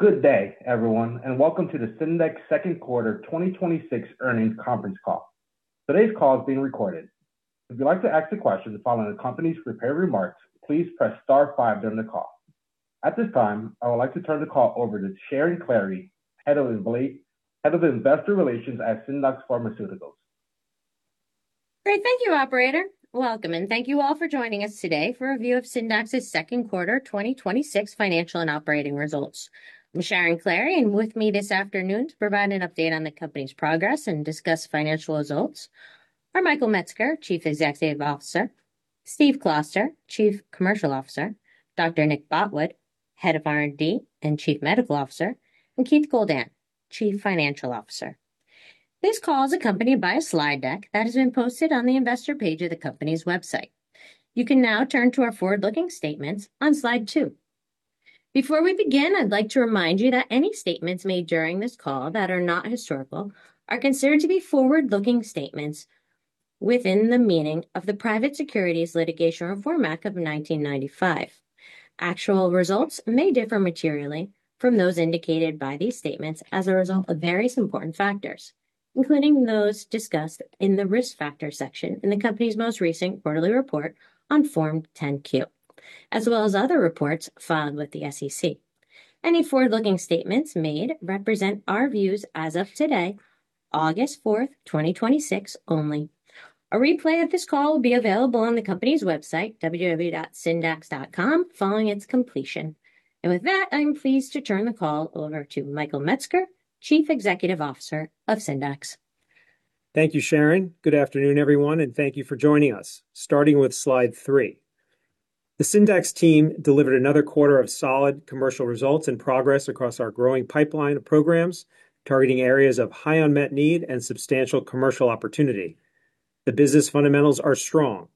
Good day, everyone, welcome to the Syndax Second Quarter 2026 Earnings Conference Call. Today's call is being recorded. If you'd like to ask a question following the company's prepared remarks, please press star five during the call. At this time, I would like to turn the call over to Sharon Klahre, Head of Investor Relations at Syndax Pharmaceuticals. Great. Thank you, operator. Welcome, thank you all for joining us today for a review of Syndax's second quarter 2026 financial and operating results. I'm Sharon Klahre, and with me this afternoon to provide an update on the company's progress and discuss financial results are Michael Metzger, Chief Executive Officer, Steve Closter, Chief Commercial Officer, Dr. Nick Botwood, Head of R&D and Chief Medical Officer, and Keith Goldan, Chief Financial Officer. This call is accompanied by a slide deck that has been posted on the investor page of the company's website. You can now turn to our forward-looking statements on slide two. Before we begin, I'd like to remind you that any statements made during this call that are not historical are considered to be forward-looking statements within the meaning of the Private Securities Litigation Reform Act of 1995. Actual results may differ materially from those indicated by these statements as a result of various important factors, including those discussed in the Risk Factors section in the company's most recent quarterly report on Form 10-Q, as well as other reports filed with the SEC. Any forward-looking statements made represent our views as of today, August 4th, 2026 only. A replay of this call will be available on the company's website, www.syndax.com, following its completion. With that, I'm pleased to turn the call over to Michael Metzger, Chief Executive Officer of Syndax. Thank you, Sharon. Good afternoon, everyone, thank you for joining us. Starting with Slide three. The Syndax team delivered another quarter of solid commercial results and progress across our growing pipeline of programs targeting areas of high unmet need and substantial commercial opportunity. The business fundamentals are strong.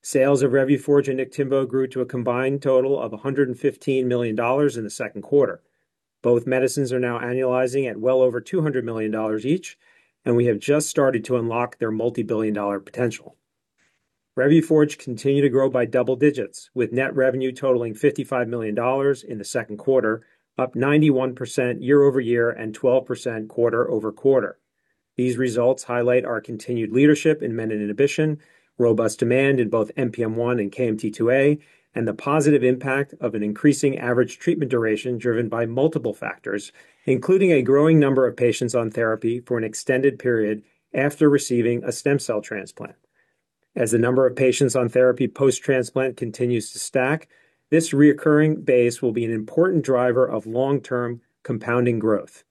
Sales of Revuforj and Niktimvo grew to a combined total of $115 million in the second quarter. Both medicines are now annualizing at well over $200 million each, and we have just started to unlock their multibillion-dollar potential. Revuforj continued to grow by double digits, with net revenue totaling $55 million in the second quarter, up 91% year-over-year and 12% quarter-over-quarter. These results highlight our continued leadership in menin inhibition, robust demand in both NPM1 and KMT2A, and the positive impact of an increasing average treatment duration driven by multiple factors, including a growing number of patients on therapy for an extended period after receiving a stem cell transplant. As the number of patients on therapy post-transplant continues to stack, this reoccurring base will be an important driver of long-term compounding growth.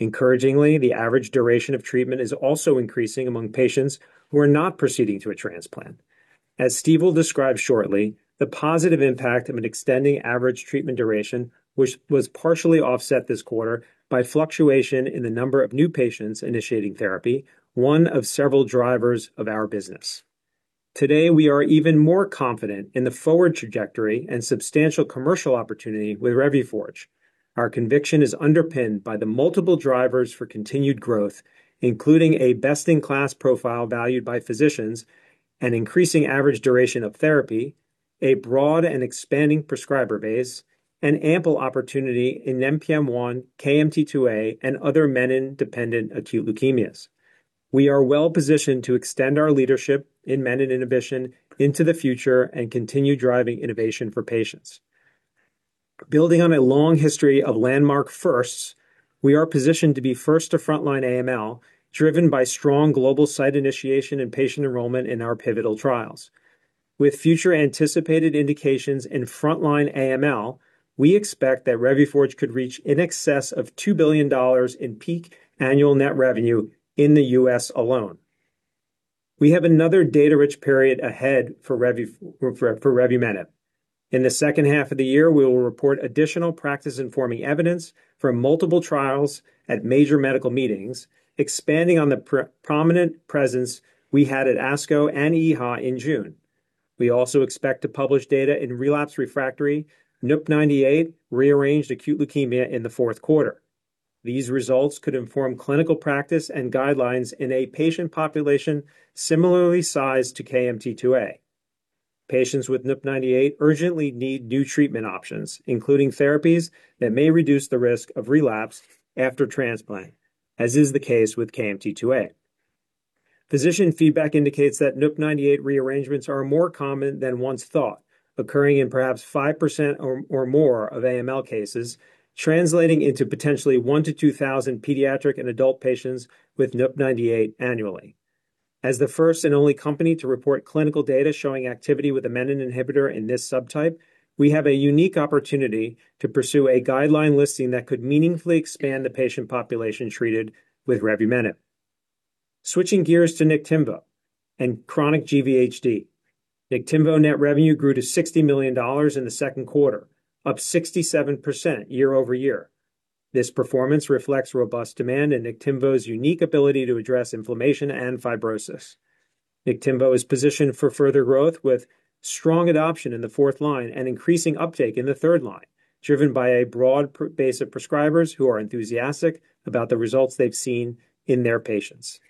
Encouragingly, the average duration of treatment is also increasing among patients who are not proceeding to a transplant. As Steve will describe shortly, the positive impact of an extending average treatment duration, which was partially offset this quarter by fluctuation in the number of new patients initiating therapy, one of several drivers of our business. Today, we are even more confident in the forward trajectory and substantial commercial opportunity with Revuforj. Our conviction is underpinned by the multiple drivers for continued growth, including a best-in-class profile valued by physicians, an increasing average duration of therapy, a broad and expanding prescriber base, and ample opportunity in NPM1, KMT2A, and other menin-dependent acute leukemias. We are well-positioned to extend our leadership in menin inhibition into the future and continue driving innovation for patients. Building on a long history of landmark firsts, we are positioned to be first to frontline AML, driven by strong global site initiation and patient enrollment in our pivotal trials. With future anticipated indications in frontline AML, we expect that Revuforj could reach in excess of $2 billion in peak annual net revenue in the U.S. alone. We have another data-rich period ahead for revumenib. In the second half of the year, we will report additional practice-informing evidence from multiple trials at major medical meetings, expanding on the prominent presence we had at ASCO and EHA in June. We also expect to publish data in relapse refractory NUP98-rearranged acute leukemia in the fourth quarter. These results could inform clinical practice and guidelines in a patient population similarly sized to KMT2A. Patients with NUP98 urgently need new treatment options, including therapies that may reduce the risk of relapse after transplant, as is the case with KMT2A. Physician feedback indicates that NUP98 rearrangements are more common than once thought, occurring in perhaps 5% or more of AML cases, translating into potentially 1,000-2,000 pediatric and adult patients with NUP98 annually. As the first and only company to report clinical data showing activity with a menin inhibitor in this subtype, we have a unique opportunity to pursue a guideline listing that could meaningfully expand the patient population treated with revumenib. Switching gears to Niktimvo and chronic GVHD. Niktimvo net revenue grew to $60 million in the second quarter, up 67% year-over-year. This performance reflects robust demand and Niktimvo's unique ability to address inflammation and fibrosis. Niktimvo is positioned for further growth with strong adoption in the fourth line and increasing uptake in the third line, driven by a broad base of prescribers who are enthusiastic about the results they've seen in their patients.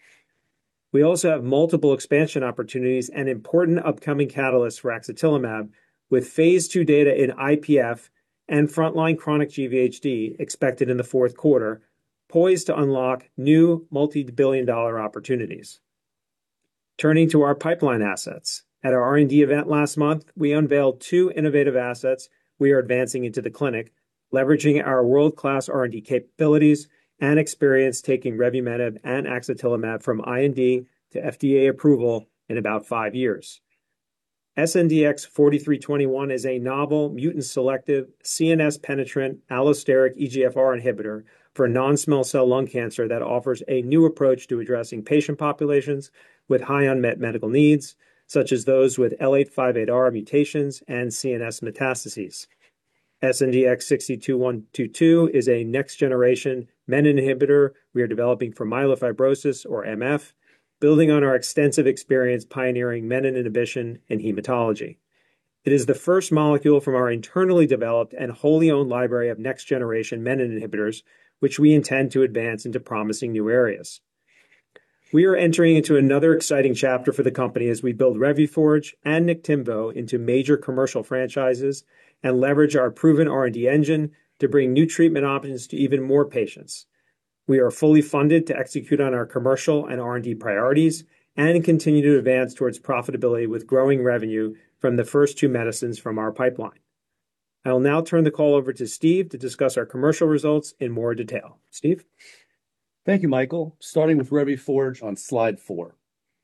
We also have multiple expansion opportunities and important upcoming catalysts for axatilimab with phase II data in IPF and frontline chronic GVHD expected in the fourth quarter, poised to unlock new multi-billion-dollar opportunities. Turning to our pipeline assets. At our R&D event last month, we unveiled two innovative assets we are advancing into the clinic, leveraging our world-class R&D capabilities and experience taking revumenib and axatilimab from IND to FDA approval in about five years. SNDX-4321 is a novel mutant-selective CNS penetrant allosteric EGFR inhibitor for non-small cell lung cancer that offers a new approach to addressing patient populations with high unmet medical needs, such as those with L858R mutations and CNS metastases. SNDX-62122 is a next-generation menin inhibitor we are developing for myelofibrosis, or MF, building on our extensive experience pioneering menin inhibition in hematology. It is the first molecule from our internally developed and wholly owned library of next-generation menin inhibitors, which we intend to advance into promising new areas. We are entering into another exciting chapter for the company as we build Revuforj and Niktimvo into major commercial franchises and leverage our proven R&D engine to bring new treatment options to even more patients. We are fully funded to execute on our commercial and R&D priorities and continue to advance towards profitability with growing revenue from the first two medicines from our pipeline. I will now turn the call over to Steve to discuss our commercial results in more detail. Steve? Thank you, Michael. Starting with Revuforj on slide four.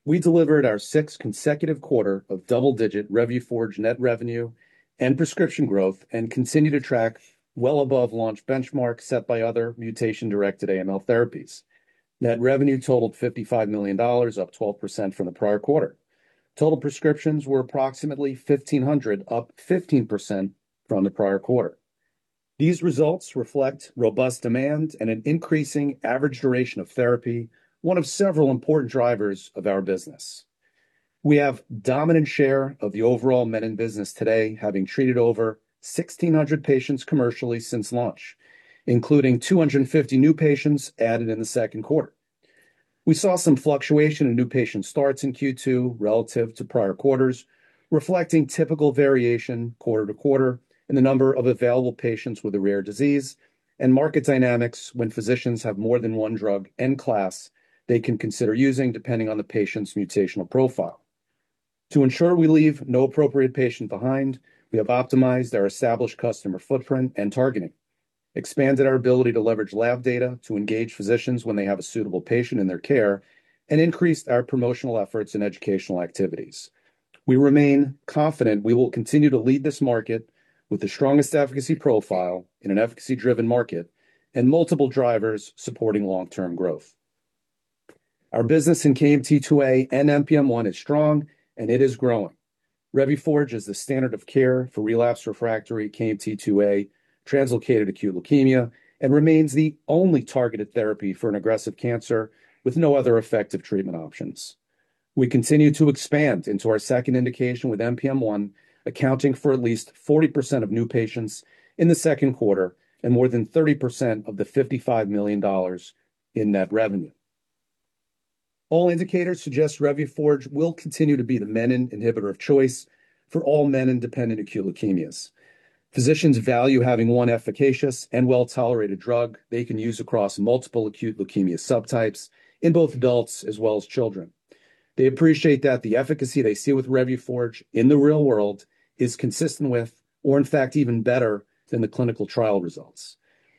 We delivered our sixth consecutive quarter of double-digit Revuforj net revenue and prescription growth and continue to track well above launch benchmarks set by other mutation-directed AML therapies. Net revenue totaled $55 million, up 12% from the prior quarter. Total prescriptions were approximately 1,500, up 15% from the prior quarter. These results reflect robust demand and an increasing average duration of therapy, one of several important drivers of our business. We have dominant share of the overall menin business today, having treated over 1,600 patients commercially since launch, including 250 new patients added in the second quarter. We saw some fluctuation in new patient starts in Q2 relative to prior quarters, reflecting typical variation quarter to quarter in the number of available patients with a rare disease and market dynamics when physicians have more than one drug in class they can consider using, depending on the patient's mutational profile. To ensure we leave no appropriate patient behind, we have optimized our established customer footprint and targeting, expanded our ability to leverage lab data to engage physicians when they have a suitable patient in their care, and increased our promotional efforts and educational activities. We remain confident we will continue to lead this market with the strongest efficacy profile in an efficacy-driven market and multiple drivers supporting long-term growth. Our business in KMT2A and NPM1 is strong, and it is growing. Revuforj is the standard of care for relapsed/refractory KMT2A translocated acute leukemia and remains the only targeted therapy for an aggressive cancer with no other effective treatment options. We continue to expand into our second indication, with NPM1 accounting for at least 40% of new patients in the second quarter and more than 30% of the $55 million in net revenue. All indicators suggest Revuforj will continue to be the menin inhibitor of choice for all menin-dependent acute leukemias. Physicians value having one efficacious and well-tolerated drug they can use across multiple acute leukemia subtypes in both adults as well as children. They appreciate that the efficacy they see with Revuforj in the real world is consistent with, or in fact, even better than the clinical trial results.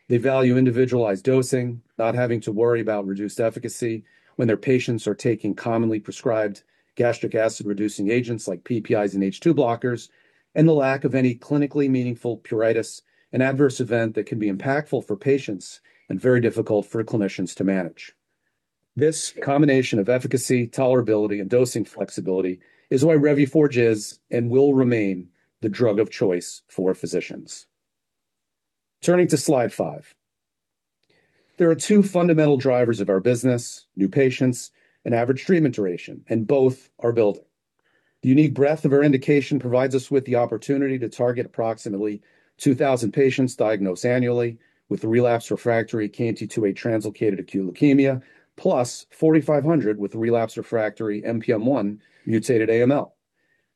They value individualized dosing, not having to worry about reduced efficacy when their patients are taking commonly prescribed gastric acid-reducing agents like PPIs and H2 blockers, and the lack of any clinically meaningful pruritus, an adverse event that can be impactful for patients and very difficult for clinicians to manage. This combination of efficacy, tolerability, and dosing flexibility is why Revuforj is and will remain the drug of choice for physicians. Turning to slide five. There are two fundamental drivers of our business, new patients and average treatment duration, and both are building. The unique breadth of our indication provides us with the opportunity to target approximately 2,000 patients diagnosed annually with relapsed/refractory KMT2A translocated acute leukemia, plus 4,500 with relapsed/refractory NPM1 mutated AML.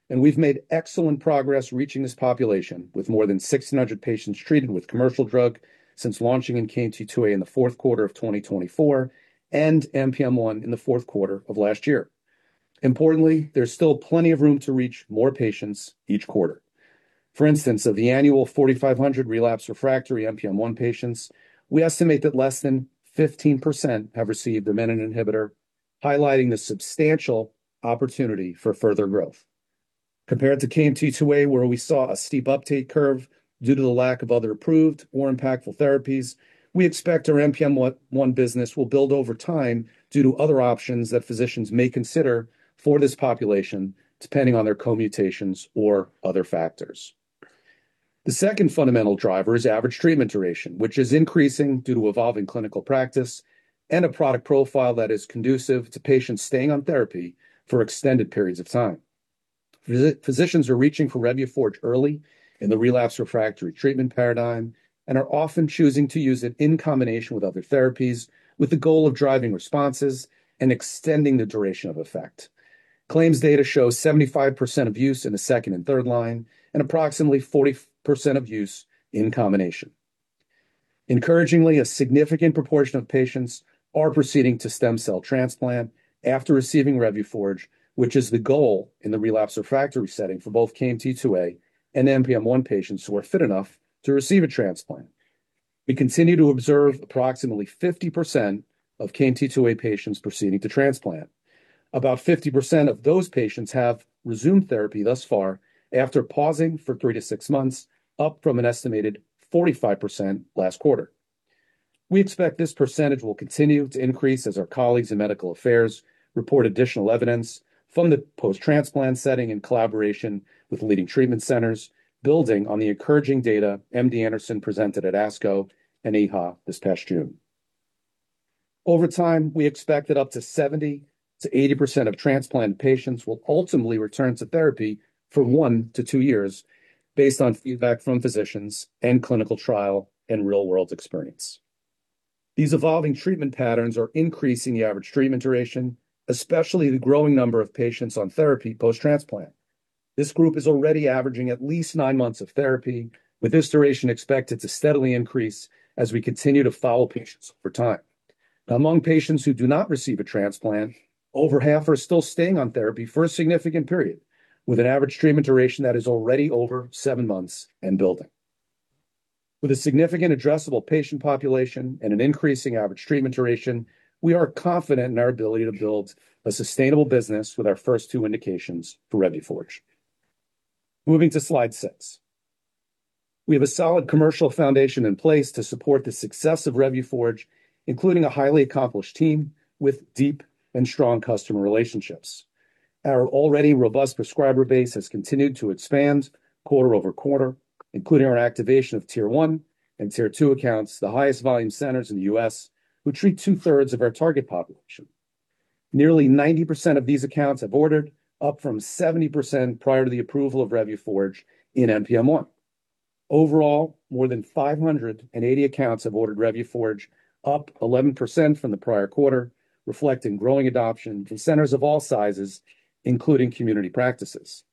We've made excellent progress reaching this population, with more than 1,600 patients treated with commercial drug since launching in KMT2A in the fourth quarter of 2024 and NPM1 in the fourth quarter of last year. Importantly, there's still plenty of room to reach more patients each quarter. For instance, of the annual 4,500 relapsed/refractory NPM1 patients, we estimate that less than 15% have received a menin inhibitor, highlighting the substantial opportunity for further growth. Compared to KMT2A, where we saw a steep uptake curve due to the lack of other approved or impactful therapies, we expect our NPM1 business will build over time due to other options that physicians may consider for this population, depending on their co-mutations or other factors. The second fundamental driver is average treatment duration, which is increasing due to evolving clinical practice and a product profile that is conducive to patients staying on therapy for extended periods of time. Physicians are reaching for Revuforj early in the relapse refractory treatment paradigm, and are often choosing to use it in combination with other therapies, with the goal of driving responses and extending the duration of effect. Claims data shows 75% of use in the second and third line, and approximately 40% of use in combination. Encouragingly, a significant proportion of patients are proceeding to stem cell transplant after receiving Revuforj, which is the goal in the relapse refractory setting for both KMT2A and NPM1 patients who are fit enough to receive a transplant. We continue to observe approximately 50% of KMT2A patients proceeding to transplant. About 50% of those patients have resumed therapy thus far, after pausing for three to six months, up from an estimated 45% last quarter. We expect this % will continue to increase as our colleagues in medical affairs report additional evidence from the post-transplant setting in collaboration with leading treatment centers, building on the encouraging data MD Anderson presented at ASCO and EHA this past June. Over time, we expect that up to 70%-80% of transplant patients will ultimately return to therapy for one to two years based on feedback from physicians and clinical trial and real-world experience. These evolving treatment patterns are increasing the average treatment duration, especially the growing number of patients on therapy post-transplant. This group is already averaging at least nine months of therapy, with this duration expected to steadily increase as we continue to follow patients over time. Among patients who do not receive a transplant, over half are still staying on therapy for a significant period, with an average treatment duration that is already over seven months and building. With a significant addressable patient population and an increasing average treatment duration, we are confident in our ability to build a sustainable business with our first two indications for Revuforj. Moving to slide six. We have a solid commercial foundation in place to support the success of Revuforj, including a highly accomplished team with deep and strong customer relationships. Our already robust prescriber base has continued to expand quarter-over-quarter, including our activation of Tier 1 and Tier 2 accounts, the highest volume centers in the U.S., who treat two-thirds of our target population. Nearly 90% of these accounts have ordered, up from 70% prior to the approval of Revuforj in NPM1. Overall, more than 580 accounts have ordered Revuforj, up 11% from the prior quarter, reflecting growing adoption from centers of all sizes, including community practices.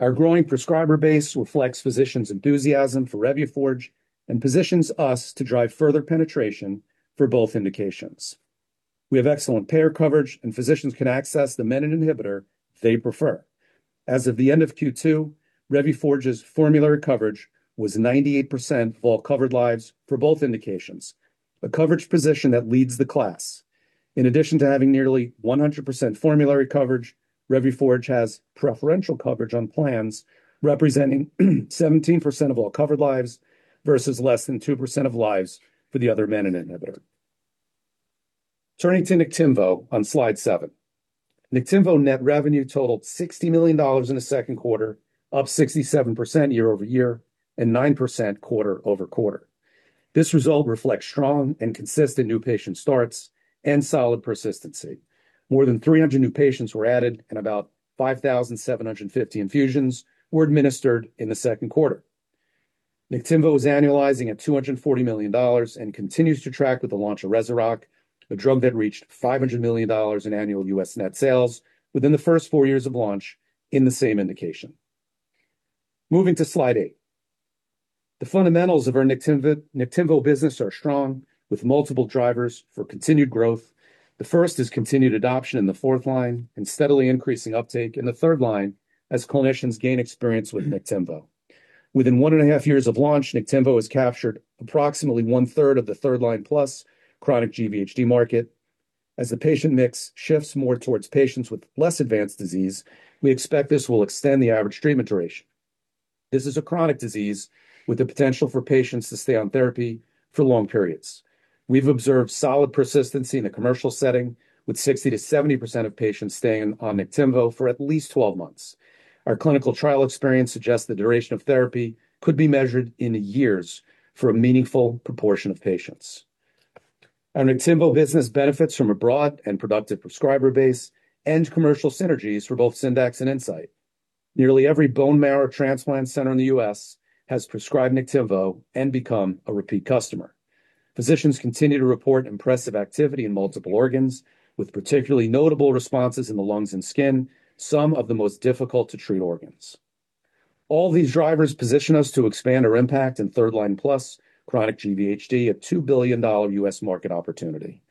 Our growing prescriber base reflects physicians' enthusiasm for Revuforj and positions us to drive further penetration for both indications. We have excellent payer coverage, and physicians can access the menin inhibitor they prefer. As of the end of Q2, Revuforj's formulary coverage was 98% of all covered lives for both indications, a coverage position that leads the class. In addition to having nearly 100% formulary coverage, Revuforj has preferential coverage on plans representing 17% of all covered lives versus less than 2% of lives for the other menin inhibitor. Turning to Niktimvo on slide seven. Niktimvo net revenue totaled $60 million in the second quarter, up 67% year-over-year and 9% quarter-over-quarter. This result reflects strong and consistent new patient starts and solid persistency. More than 300 new patients were added, and about 5,750 infusions were administered in the second quarter. Niktimvo is annualizing at $240 million and continues to track with the launch of REZUROCK, a drug that reached $500 million in annual U.S. net sales within the first four years of launch in the same indication. Moving to slide eight. The fundamentals of our Niktimvo business are strong, with multiple drivers for continued growth. The first is continued adoption in the fourth line and steadily increasing uptake in the third line as clinicians gain experience with Niktimvo. Within one and a half years of launch, Niktimvo has captured approximately one-third of the third-line-plus chronic GVHD market. As the patient mix shifts more towards patients with less advanced disease, we expect this will extend the average treatment duration. This is a chronic disease with the potential for patients to stay on therapy for long periods. We've observed solid persistency in the commercial setting, with 60%-70% of patients staying on Niktimvo for at least 12 months. Our clinical trial experience suggests the duration of therapy could be measured in years for a meaningful proportion of patients. Our Niktimvo business benefits from a broad and productive prescriber base and commercial synergies for both Syndax and Incyte. Nearly every bone marrow transplant center in the U.S. has prescribed Niktimvo and become a repeat customer. Physicians continue to report impressive activity in multiple organs, with particularly notable responses in the lungs and skin, some of the most difficult to treat organs. All these drivers position us to expand our impact in third-line-plus chronic GVHD, a $2 billion U.S. market opportunity.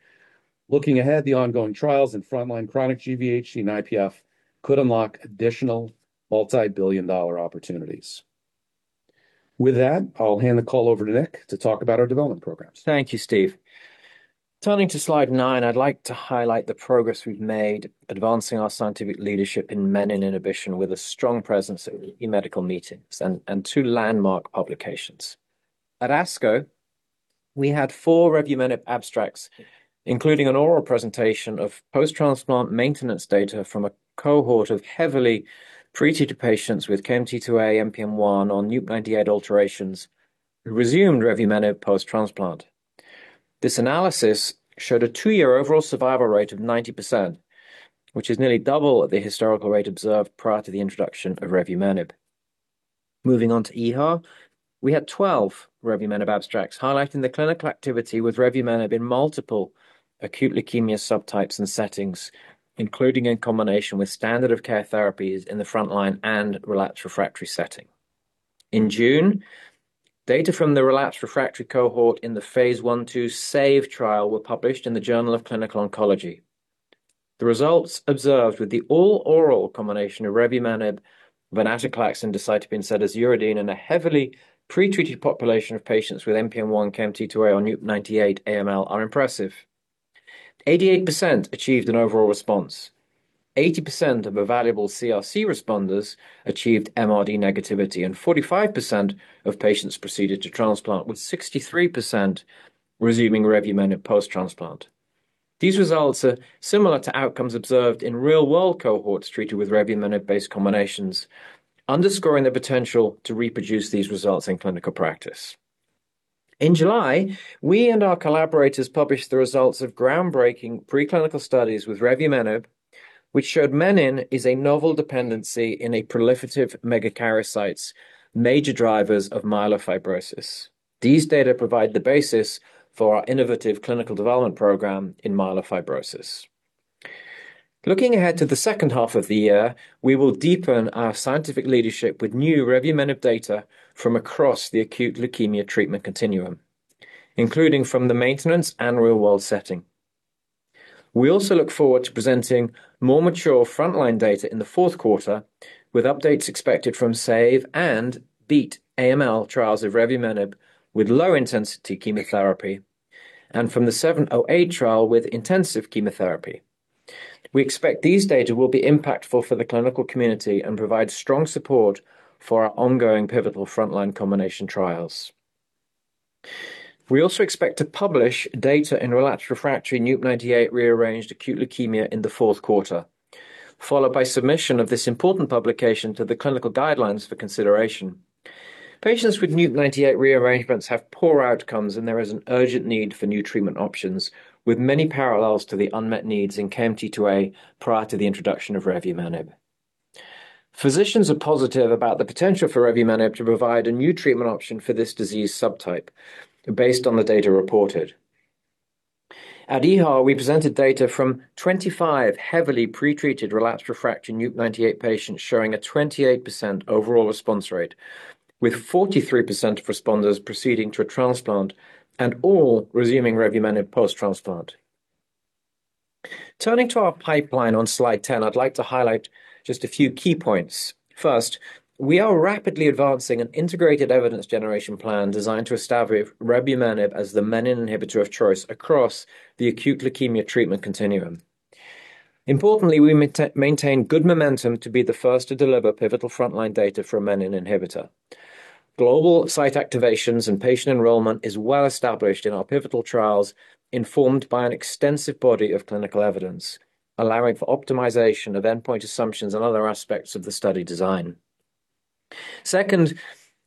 Looking ahead, the ongoing trials in front-line chronic GVHD and IPF could unlock additional multi-billion dollar opportunities. With that, I'll hand the call over to Nick to talk about our development programs. Thank you, Steve. Turning to slide nine, I'd like to highlight the progress we've made advancing our scientific leadership in menin inhibition with a strong presence in medical meetings and two landmark publications. At ASCO, we had four revumenib abstracts, including an oral presentation of post-transplant maintenance data from a cohort of heavily pretreated patients with KMT2A/NPM1 or NUP98 alterations who resumed revumenib post-transplant. This analysis showed a two-year overall survival rate of 90%, which is nearly double the historical rate observed prior to the introduction of revumenib. Moving on to EHA, we had 12 revumenib abstracts highlighting the clinical activity with revumenib in multiple acute leukemia subtypes and settings, including in combination with standard of care therapies in the frontline and relapsed/refractory setting. In June, data from the relapsed/refractory cohort in the Phase I/II SAVE trial were published in the "Journal of Clinical Oncology". The results observed with the all-oral combination of revumenib, venetoclax, and decitabine/azacitidine in a heavily pre-treated population of patients with NPM1, KMT2A, or NUP98 AML are impressive. 88% achieved an overall response. 80% of evaluable CRc responders achieved MRD negativity, and 45% of patients proceeded to transplant, with 63% resuming revumenib post-transplant. These results are similar to outcomes observed in real-world cohorts treated with revumenib-based combinations, underscoring the potential to reproduce these results in clinical practice. In July, we and our collaborators published the results of groundbreaking preclinical studies with revumenib, which showed menin is a novel dependency in a proliferative megakaryocytes, major drivers of myelofibrosis. These data provide the basis for our innovative clinical development program in myelofibrosis. Looking ahead to the second half of the year, we will deepen our scientific leadership with new revumenib data from across the acute leukemia treatment continuum, including from the maintenance and real-world setting. We also look forward to presenting more mature frontline data in the fourth quarter, with updates expected from SAVE and BEAT AML trials of revumenib with low-intensity chemotherapy and from the 708 trial with intensive chemotherapy. We expect these data will be impactful for the clinical community and provide strong support for our ongoing pivotal frontline combination trials. We also expect to publish data in relapsed/refractory NUP98-rearranged acute leukemia in the fourth quarter, followed by submission of this important publication to the clinical guidelines for consideration. Patients with NUP98 rearrangements have poor outcomes. There is an urgent need for new treatment options, with many parallels to the unmet needs in KMT2A prior to the introduction of revumenib. Physicians are positive about the potential for revumenib to provide a new treatment option for this disease subtype based on the data reported. At EHA, we presented data from 25 heavily pre-treated relapsed/refractory NUP98 patients showing a 28% overall response rate, with 43% of responders proceeding to a transplant and all resuming revumenib post-transplant. Turning to our pipeline on slide 10, I'd like to highlight just a few key points. First, we are rapidly advancing an integrated evidence generation plan designed to establish revumenib as the menin inhibitor of choice across the acute leukemia treatment continuum. Importantly, we maintain good momentum to be the first to deliver pivotal frontline data for a menin inhibitor. Global site activations and patient enrollment is well established in our pivotal trials, informed by an extensive body of clinical evidence, allowing for optimization of endpoint assumptions and other aspects of the study design. Second,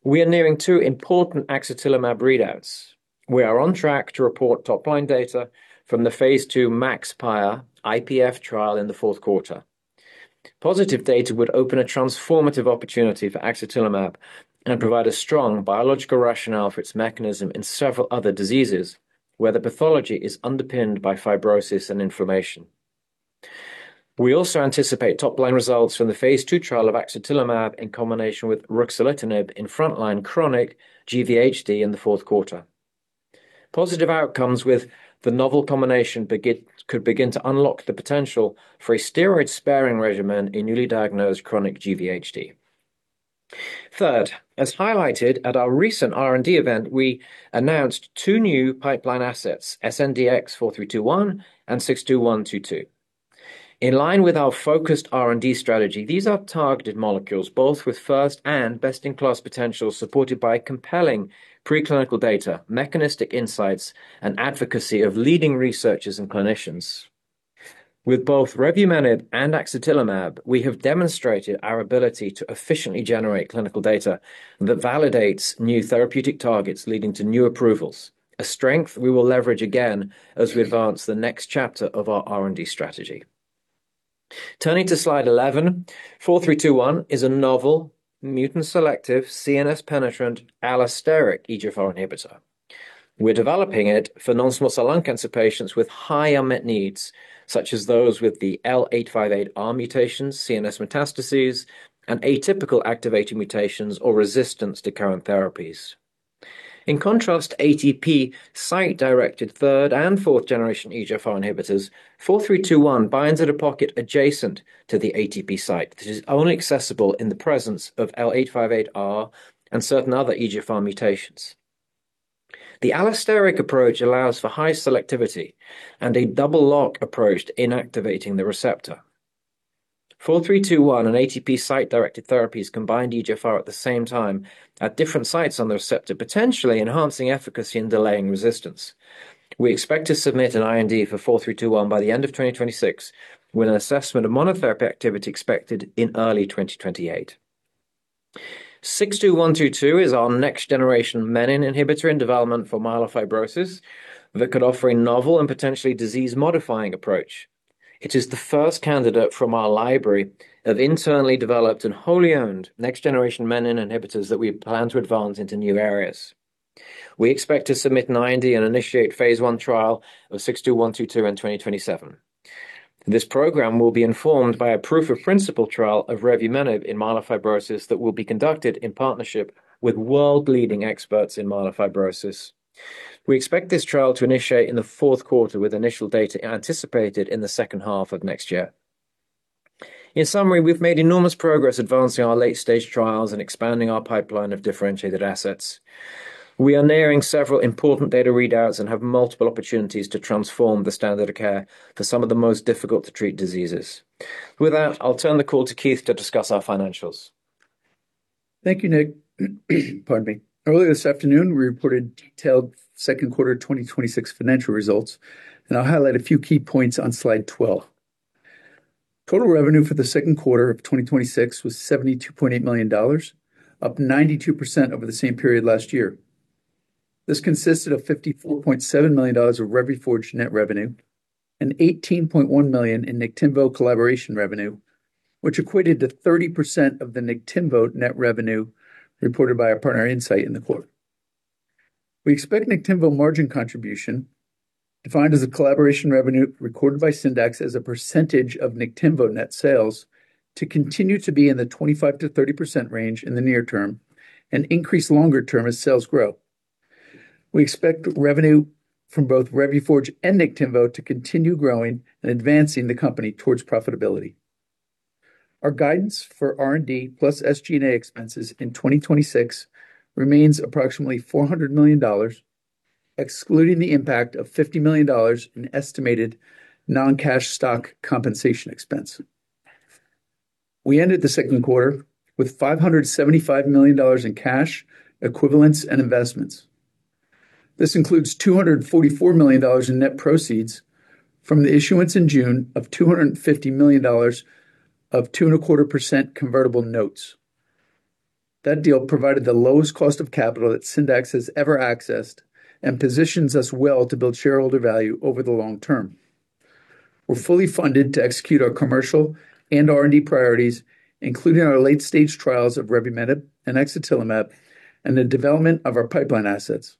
we are nearing two important axatilimab readouts. We are on track to report top-line data from the phase II MAXPIRe IPF trial in the fourth quarter. Positive data would open a transformative opportunity for axatilimab and provide a strong biological rationale for its mechanism in several other diseases where the pathology is underpinned by fibrosis and inflammation. We also anticipate top-line results from the phase II trial of axatilimab in combination with ruxolitinib in frontline chronic GVHD in the fourth quarter. Positive outcomes with the novel combination could begin to unlock the potential for a steroid-sparing regimen in newly diagnosed chronic GVHD. Third, as highlighted at our recent R&D event, we announced two new pipeline assets, SNDX-4321 and 62122. In line with our focused R&D strategy, these are targeted molecules both with first and best-in-class potential, supported by compelling preclinical data, mechanistic insights, and advocacy of leading researchers and clinicians. With both revumenib and axatilimab, we have demonstrated our ability to efficiently generate clinical data that validates new therapeutic targets, leading to new approvals, a strength we will leverage again as we advance the next chapter of our R&D strategy. Turning to slide 11, 4321 is a novel mutant-selective, CNS-penetrant allosteric EGFR inhibitor. We're developing it for non-small cell lung cancer patients with high unmet needs, such as those with the L858R mutations, CNS metastases, and atypical activating mutations or resistance to current therapies. In contrast to ATP site-directed third and fourth-generation EGFR inhibitors, 4321 binds at a pocket adjacent to the ATP site that is only accessible in the presence of L858R and certain other EGFR mutations. The allosteric approach allows for high selectivity and a double lock approach to inactivating the receptor. 4321 and ATP site-directed therapies combine EGFR at the same time at different sites on the receptor, potentially enhancing efficacy and delaying resistance. We expect to submit an IND for 4321 by the end of 2026, with an assessment of monotherapy activity expected in early 2028. 62122 is our next-generation menin inhibitor in development for myelofibrosis that could offer a novel and potentially disease-modifying approach. It is the first candidate from our library of internally developed and wholly owned next-generation menin inhibitors that we plan to advance into new areas. We expect to submit an IND and initiate Phase I trial of 62122 in 2027. This program will be informed by a proof-of-principle trial of revumenib in myelofibrosis that will be conducted in partnership with world-leading experts in myelofibrosis. We expect this trial to initiate in the fourth quarter, with initial data anticipated in the second half of next year. In summary, we've made enormous progress advancing our late-stage trials and expanding our pipeline of differentiated assets. We are nearing several important data readouts and have multiple opportunities to transform the standard of care for some of the most difficult-to-treat diseases. With that, I'll turn the call to Keith to discuss our financials. Thank you, Nick. Pardon me. Earlier this afternoon, we reported detailed second quarter 2026 financial results, and I'll highlight a few key points on slide 12. Total revenue for the second quarter of 2026 was $72.8 million, up 92% over the same period last year. This consisted of $54.7 million of Revuforj net revenue and $18.1 million in Niktimvo collaboration revenue, which equated to 30% of the Niktimvo net revenue reported by our partner, Incyte, in the quarter. We expect Niktimvo margin contribution, defined as a collaboration revenue recorded by Syndax as a percentage of Niktimvo net sales, to continue to be in the 25%-30% range in the near term and increase longer term as sales grow. We expect revenue from both Revuforj and Niktimvo to continue growing and advancing the company towards profitability. Our guidance for R&D plus SG&A expenses in 2026 remains approximately $400 million, excluding the impact of $550 million in estimated non-cash stock compensation expense. We ended the second quarter with $575 million in cash equivalents and investments. This includes $244 million in net proceeds from the issuance in June of $250 million of 2.25% convertible notes. That deal provided the lowest cost of capital that Syndax has ever accessed and positions us well to build shareholder value over the long term. We're fully funded to execute our commercial and R&D priorities, including our late-stage trials of revumenib and axatilimab, and the development of our pipeline assets.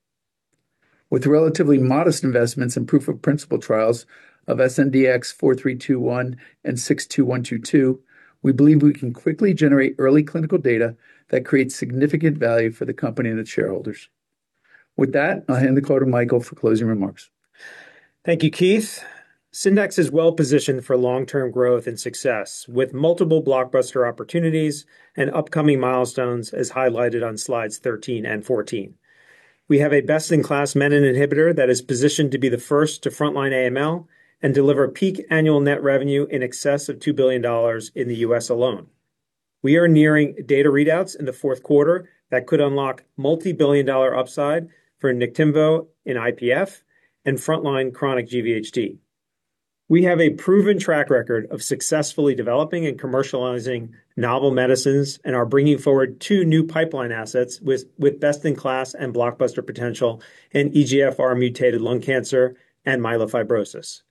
With relatively modest investments and proof-of-principle trials of 4321 and 62122, we believe we can quickly generate early clinical data that creates significant value for the company and its shareholders. With that, I'll hand the call to Michael for closing remarks. Thank you, Keith. Syndax is well-positioned for long-term growth and success, with multiple blockbuster opportunities and upcoming milestones as highlighted on slides 13 and 14. We have a best-in-class menin inhibitor that is positioned to be the first to frontline AML and deliver peak annual net revenue in excess of $2 billion in the U.S. alone. We are nearing data readouts in the fourth quarter that could unlock multibillion-dollar upside for Niktimvo in IPF and frontline chronic GVHD. We have a proven track record of successfully developing and commercializing novel medicines and are bringing forward two new pipeline assets with best-in-class and blockbuster potential in EGFR-mutated lung cancer and myelofibrosis.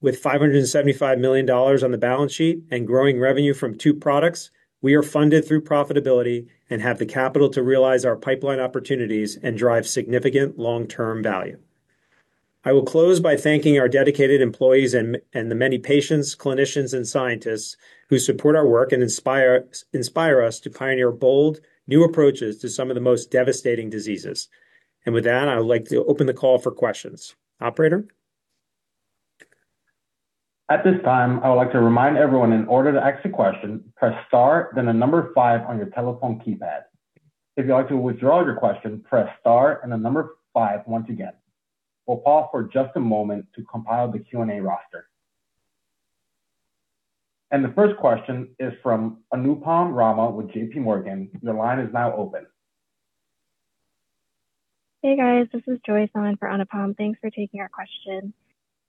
With $575 million on the balance sheet and growing revenue from two products, we are funded through profitability and have the capital to realize our pipeline opportunities and drive significant long-term value. I will close by thanking our dedicated employees and the many patients, clinicians, and scientists who support our work and inspire us to pioneer bold, new approaches to some of the most devastating diseases. With that, I would like to open the call for questions. Operator? At this time, I would like to remind everyone in order to ask a question, press star, then the number five on your telephone keypad. If you'd like to withdraw your question, press star and the number five once again. We'll pause for just a moment to compile the Q&A roster. The first question is from Anupam Rama with JPMorgan. Your line is now open. Hey, guys. This is Joyce on for Anupam. Thanks for taking our question.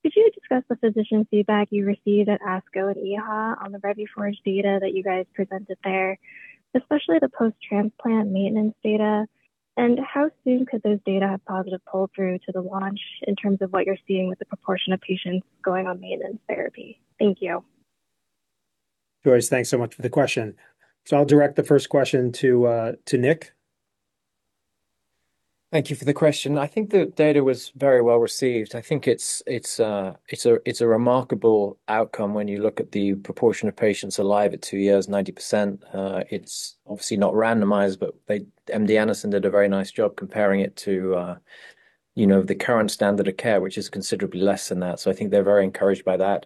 Could you discuss the physician feedback you received at ASCO and EHA on the Revuforj data that you guys presented there, especially the post-transplant maintenance data? How soon could those data have positive pull-through to the launch in terms of what you're seeing with the proportion of patients going on maintenance therapy? Thank you. Joyce, thanks so much for the question. I'll direct the first question to Nick. Thank you for the question. I think the data was very well received. I think it's a remarkable outcome when you look at the proportion of patients alive at two years, 90%. It's obviously not randomized, but MD Anderson did a very nice job comparing it to the current standard of care, which is considerably less than that. I think they're very encouraged by that.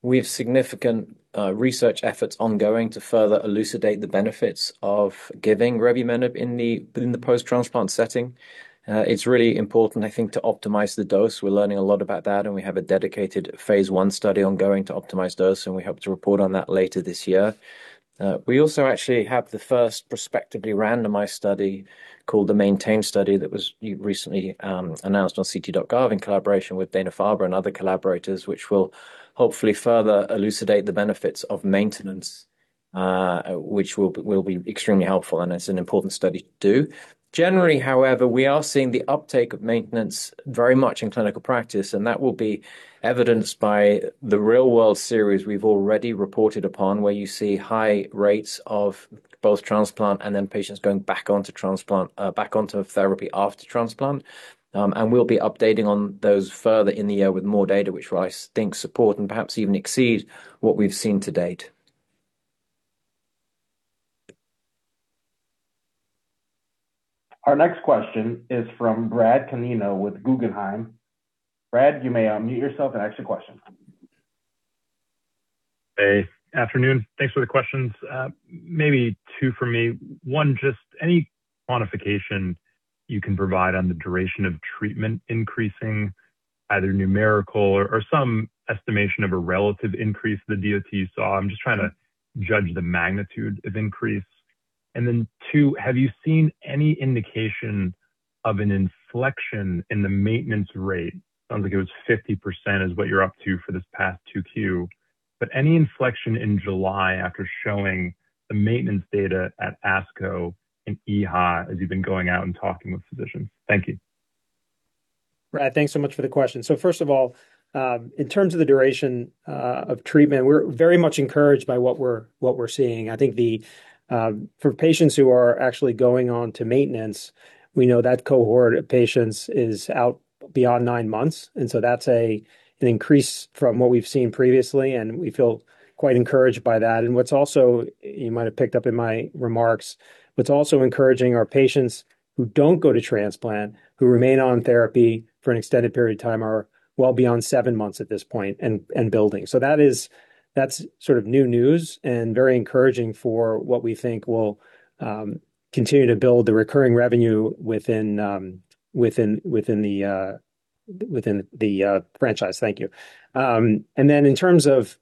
We have significant research efforts ongoing to further elucidate the benefits of giving revumenib in the post-transplant setting. It's really important, I think, to optimize the dose. We're learning a lot about that, and we have a dedicated phase I study ongoing to optimize dose, and we hope to report on that later this year. We also actually have the first prospectively randomized study called the MenTain Study that was recently announced on ct.gov in collaboration with Dana-Farber and other collaborators, which will hopefully further elucidate the benefits of maintenance Which will be extremely helpful, and it's an important study to do. Generally, however, we are seeing the uptake of maintenance very much in clinical practice, and that will be evidenced by the real-world series we've already reported upon, where you see high rates of both transplant and then patients going back onto therapy after transplant. We'll be updating on those further in the year with more data, which I think support and perhaps even exceed what we've seen to-date. Our next question is from Brad Canino with Guggenheim. Brad, you may unmute yourself and ask a question. Hey, afternoon. Thanks for the questions. Maybe two for me. One, just any quantification you can provide on the duration of treatment increasing, either numerical or some estimation of a relative increase the DoT saw? I'm just trying to judge the magnitude of increase. Two, have you seen any indication of an inflection in the maintenance rate? Sounds like it was 50% is what you're up to for this past 2Q, but any inflection in July after showing the maintenance data at ASCO and EHA as you've been going out and talking with physicians? Thank you. Brad, thanks so much for the question. First of all, in terms of the duration of treatment, we're very much encouraged by what we're seeing. I think for patients who are actually going on to maintenance, we know that cohort of patients is out beyond nine months. That's an increase from what we've seen previously, and we feel quite encouraged by that. You might have picked up in my remarks, what's also encouraging are patients who don't go to transplant, who remain on therapy for an extended period of time, are well beyond seven months at this point and building. That's new news and very encouraging for what we think will continue to build the recurring revenue within the franchise. Thank you. In terms of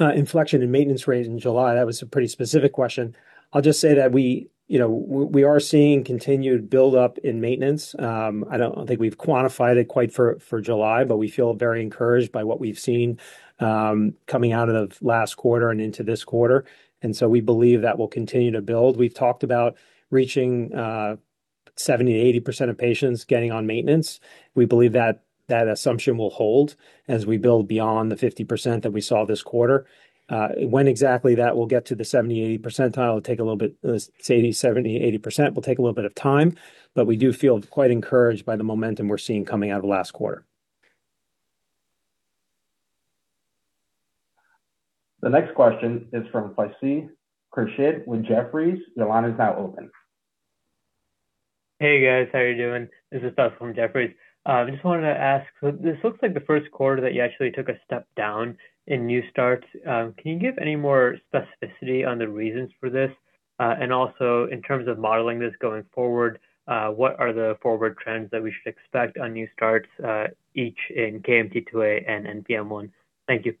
inflection in maintenance rates in July, that was a pretty specific question. I'll just say that we are seeing continued buildup in maintenance. I don't think we've quantified it quite for July, but we feel very encouraged by what we've seen coming out of last quarter and into this quarter. We believe that will continue to build. We've talked about reaching 70%-80% of patients getting on maintenance. We believe that assumption will hold as we build beyond the 50% that we saw this quarter. When exactly that will get to the 70%-80% will take a little bit of time, but we do feel quite encouraged by the momentum we're seeing coming out of last quarter. The next question is from Faisal Khurshid with Jefferies. Your line is now open. Hey, guys. How are you doing? This is Faisal from Jefferies. I just wanted to ask, this looks like the first quarter that you actually took a step down in new starts. Can you give any more specificity on the reasons for this? Also, in terms of modeling this going forward, what are the forward trends that we should expect on new starts, each in KMT2A and NPM1? Thank you.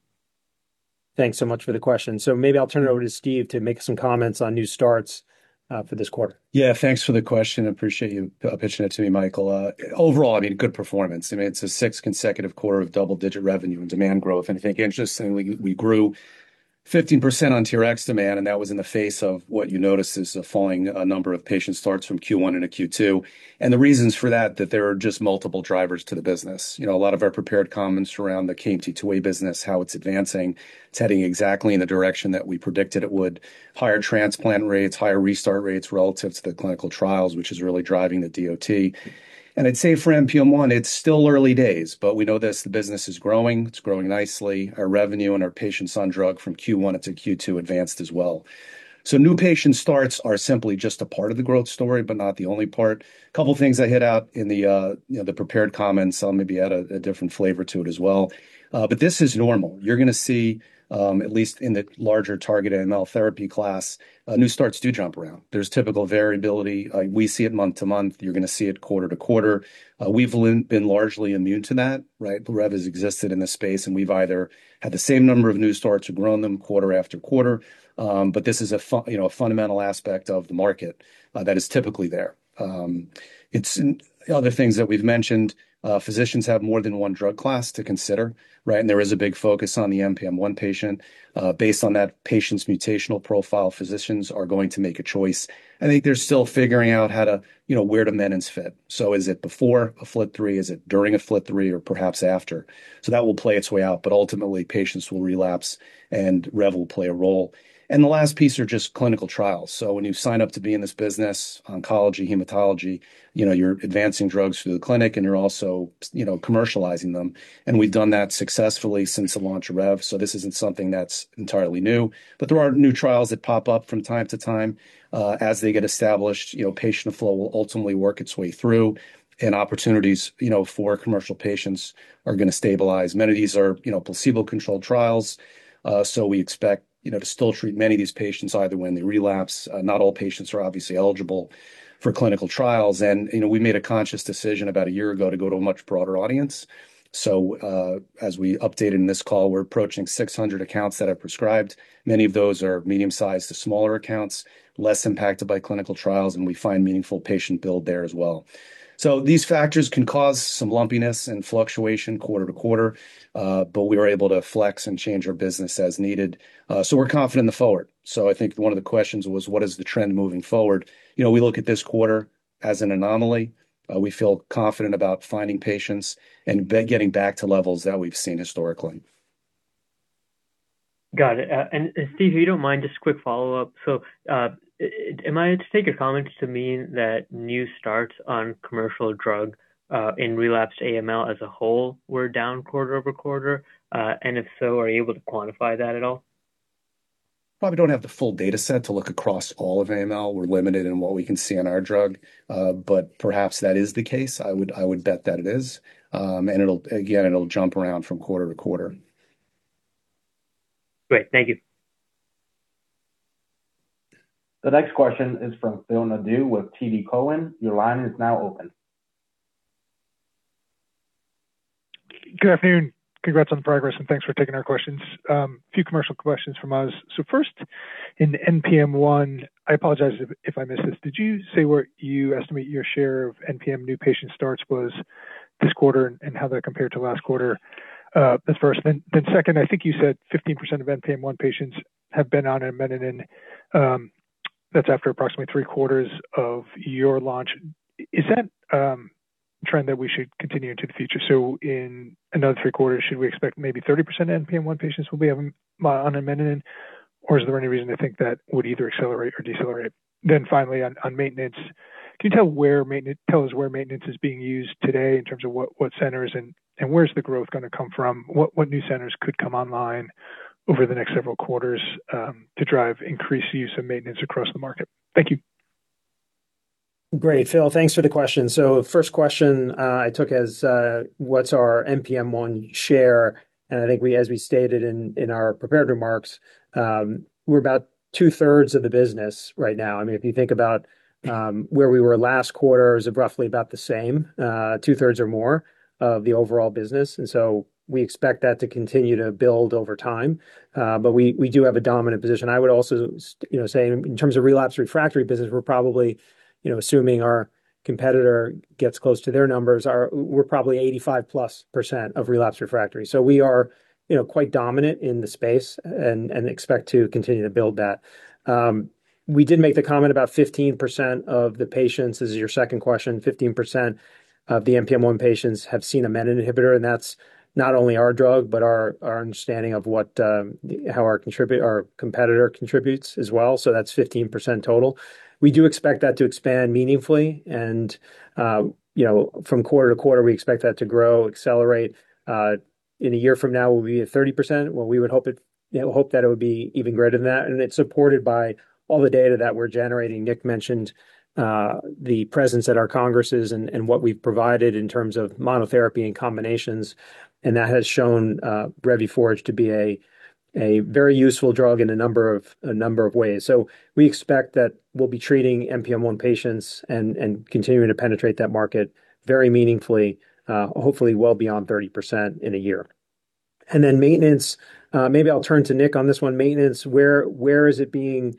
Thanks so much for the question. Maybe I'll turn it over to Steve to make some comments on new starts for this quarter. Yeah. Thanks for the question. Appreciate you pitching it to me, Michael. Overall, good performance. It's a sixth consecutive quarter of double-digit revenue and demand growth. I think interestingly, we grew 15% on TRX demand, and that was in the face of what you notice is a falling number of patient starts from Q1 into Q2. The reasons for that there are just multiple drivers to the business. A lot of our prepared comments around the KMT2A business, how it's advancing. It's heading exactly in the direction that we predicted it would. Higher transplant rates, higher restart rates relative to the clinical trials, which is really driving the DOT. I'd say for NPM1, it's still early days, but we know that the business is growing. It's growing nicely. Our revenue and our patients on drug from Q1 into Q2 advanced as well. New patient starts are simply just a part of the growth story, but not the only part. Couple things I hit at in the prepared comments, I'll maybe add a different flavor to it as well. This is normal. You're going to see, at least in the larger targeted AML therapy class, new starts do jump around. There's typical variability. We see it month-to-month. You're going to see it quarter-to-quarter. We've been largely immune to that, right? Rev has existed in this space, and we've either had the same number of new starts or grown them quarter after quarter. This is a fundamental aspect of the market that is typically there. Other things that we've mentioned, physicians have more than one drug class to consider, right? There is a big focus on the NPM1 patient. Based on that patient's mutational profile, physicians are going to make a choice. I think they're still figuring out where domedans fit. Is it before a FLT3, is it during a FLT3, or perhaps after? That will play its way out, but ultimately, patients will relapse, and Rev will play a role. The last piece are just clinical trials. When you sign up to be in this business, oncology, hematology, you're advancing drugs through the clinic, and you're also commercializing them. We've done that successfully since the launch of Rev, this isn't something that's entirely new. There are new trials that pop up from time to time. As they get established, patient flow will ultimately work its way through, and opportunities for commercial patients are going to stabilize. Many of these are placebo-controlled trials, we expect to still treat many of these patients, either when they relapse. Not all patients are obviously eligible for clinical trials. We made a conscious decision about a year ago to go to a much broader audience. As we updated in this call, we're approaching 600 accounts that have prescribed. Many of those are medium-sized to smaller accounts, less impacted by clinical trials, and we find meaningful patient build there as well. These factors can cause some lumpiness and fluctuation quarter-to-quarter, but we are able to flex and change our business as needed. We're confident in the forward. I think one of the questions was, what is the trend moving forward? We look at this quarter As an anomaly, we feel confident about finding patients and getting back to levels that we've seen historically. Got it. Steve, if you don't mind, just a quick follow-up. Am I to take your comments to mean that new starts on commercial drug in relapsed AML as a whole were down quarter-over-quarter? If so, are you able to quantify that at all? Probably don't have the full data set to look across all of AML. We're limited in what we can see on our drug. Perhaps that is the case. I would bet that it is. Again, it'll jump around from quarter-to-quarter. Great. Thank you. The next question is from Phil Nadeau with TD Cowen. Your line is now open. Good afternoon. Congrats on the progress and thanks for taking our questions. A few commercial questions from us. First, in NPM1, I apologize if I missed this, did you say what you estimate your share of NPM new patient starts was this quarter and how that compared to last quarter? That's first. Second, I think you said 15% of NPM1 patients have been on a menin. That's after approximately three quarters of your launch. Is that trend that we should continue into the future? In another three quarters, should we expect maybe 30% of NPM1 patients will be on a menin? Or is there any reason to think that would either accelerate or decelerate? Finally, on maintenance, can you tell us where maintenance is being used today in terms of what centers and where's the growth going to come from? What new centers could come online over the next several quarters to drive increased use of maintenance across the market? Thank you. Great, Phil. Thanks for the question. First question I took as what's our NPM1 share, and I think as we stated in our prepared remarks, we're about two-thirds of the business right now. If you think about where we were last quarter is roughly about the same, two-thirds or more of the overall business. We expect that to continue to build over time. We do have a dominant position. I would also say in terms of relapse refractory business, assuming our competitor gets close to their numbers, we're probably 85+% of relapse refractory. We are quite dominant in the space and expect to continue to build that. We did make the comment about 15% of the patients, this is your second question, 15% of the NPM1 patients have seen a menin inhibitor, and that's not only our drug, but our understanding of how our competitor contributes as well. That's 15% total. We do expect that to expand meaningfully and from quarter to quarter, we expect that to grow, accelerate. In a year from now, we'll be at 30%. We would hope that it would be even greater than that, and it's supported by all the data that we're generating. Nick mentioned the presence at our congresses and what we've provided in terms of monotherapy and combinations, and that has shown Revuforj to be a very useful drug in a number of ways. We expect that we'll be treating NPM1 patients and continuing to penetrate that market very meaningfully, hopefully well beyond 30% in a year. Then maintenance, I'll turn to Nick on this one. Maintenance. Where is it being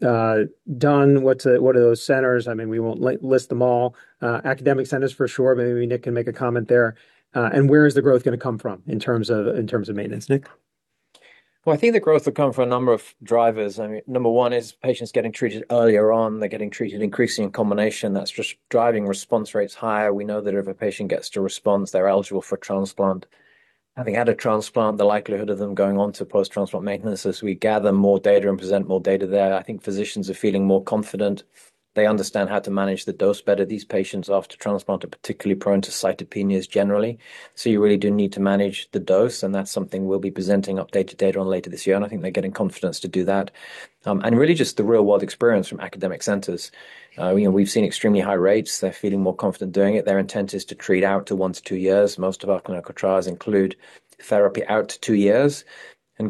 done? What are those centers? We won't list them all. Academic centers for sure. Nick can make a comment there. Where is the growth going to come from in terms of maintenance? Nick? I think the growth will come from a number of drivers. Number 1 is patients getting treated earlier on. They're getting treated increasingly in combination. That's just driving response rates higher. We know that if a patient gets to response, they're eligible for transplant. Having had a transplant, the likelihood of them going on to post-transplant maintenance. As we gather more data and present more data there, I think physicians are feeling more confident. They understand how to manage the dose better. These patients after transplant are particularly prone to cytopenias generally, so you really do need to manage the dose, and that's something we'll be presenting updated data on later this year, and I think they're getting confidence to do that. Really just the real-world experience from academic centers. We've seen extremely high rates. They're feeling more confident doing it. Their intent is to treat out to 1 to 2 years. Most of our clinical trials include therapy out to 2 years.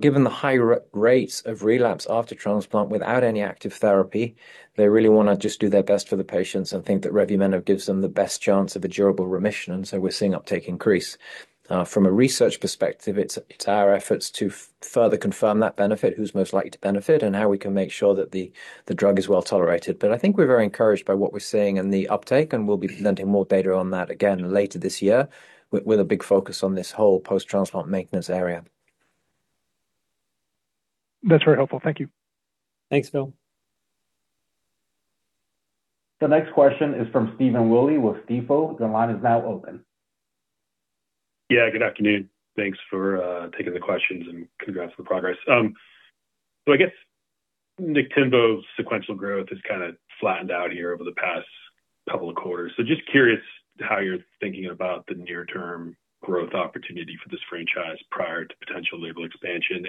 Given the high rates of relapse after transplant without any active therapy, they really want to just do their best for the patients and think that revumenib gives them the best chance of a durable remission. We're seeing uptake increase. From a research perspective, it's our efforts to further confirm that benefit, who's most likely to benefit, and how we can make sure that the drug is well-tolerated. I think we're very encouraged by what we're seeing in the uptake, and we'll be presenting more data on that again later this year with a big focus on this whole post-transplant maintenance area. That's very helpful. Thank you. Thanks, Phil. The next question is from Stephen Willey with Stifel. The line is now open. Good afternoon. Thanks for taking the questions and congrats on the progress. Just curious how you're thinking about the near-term growth opportunity for this franchise prior to potential label expansion.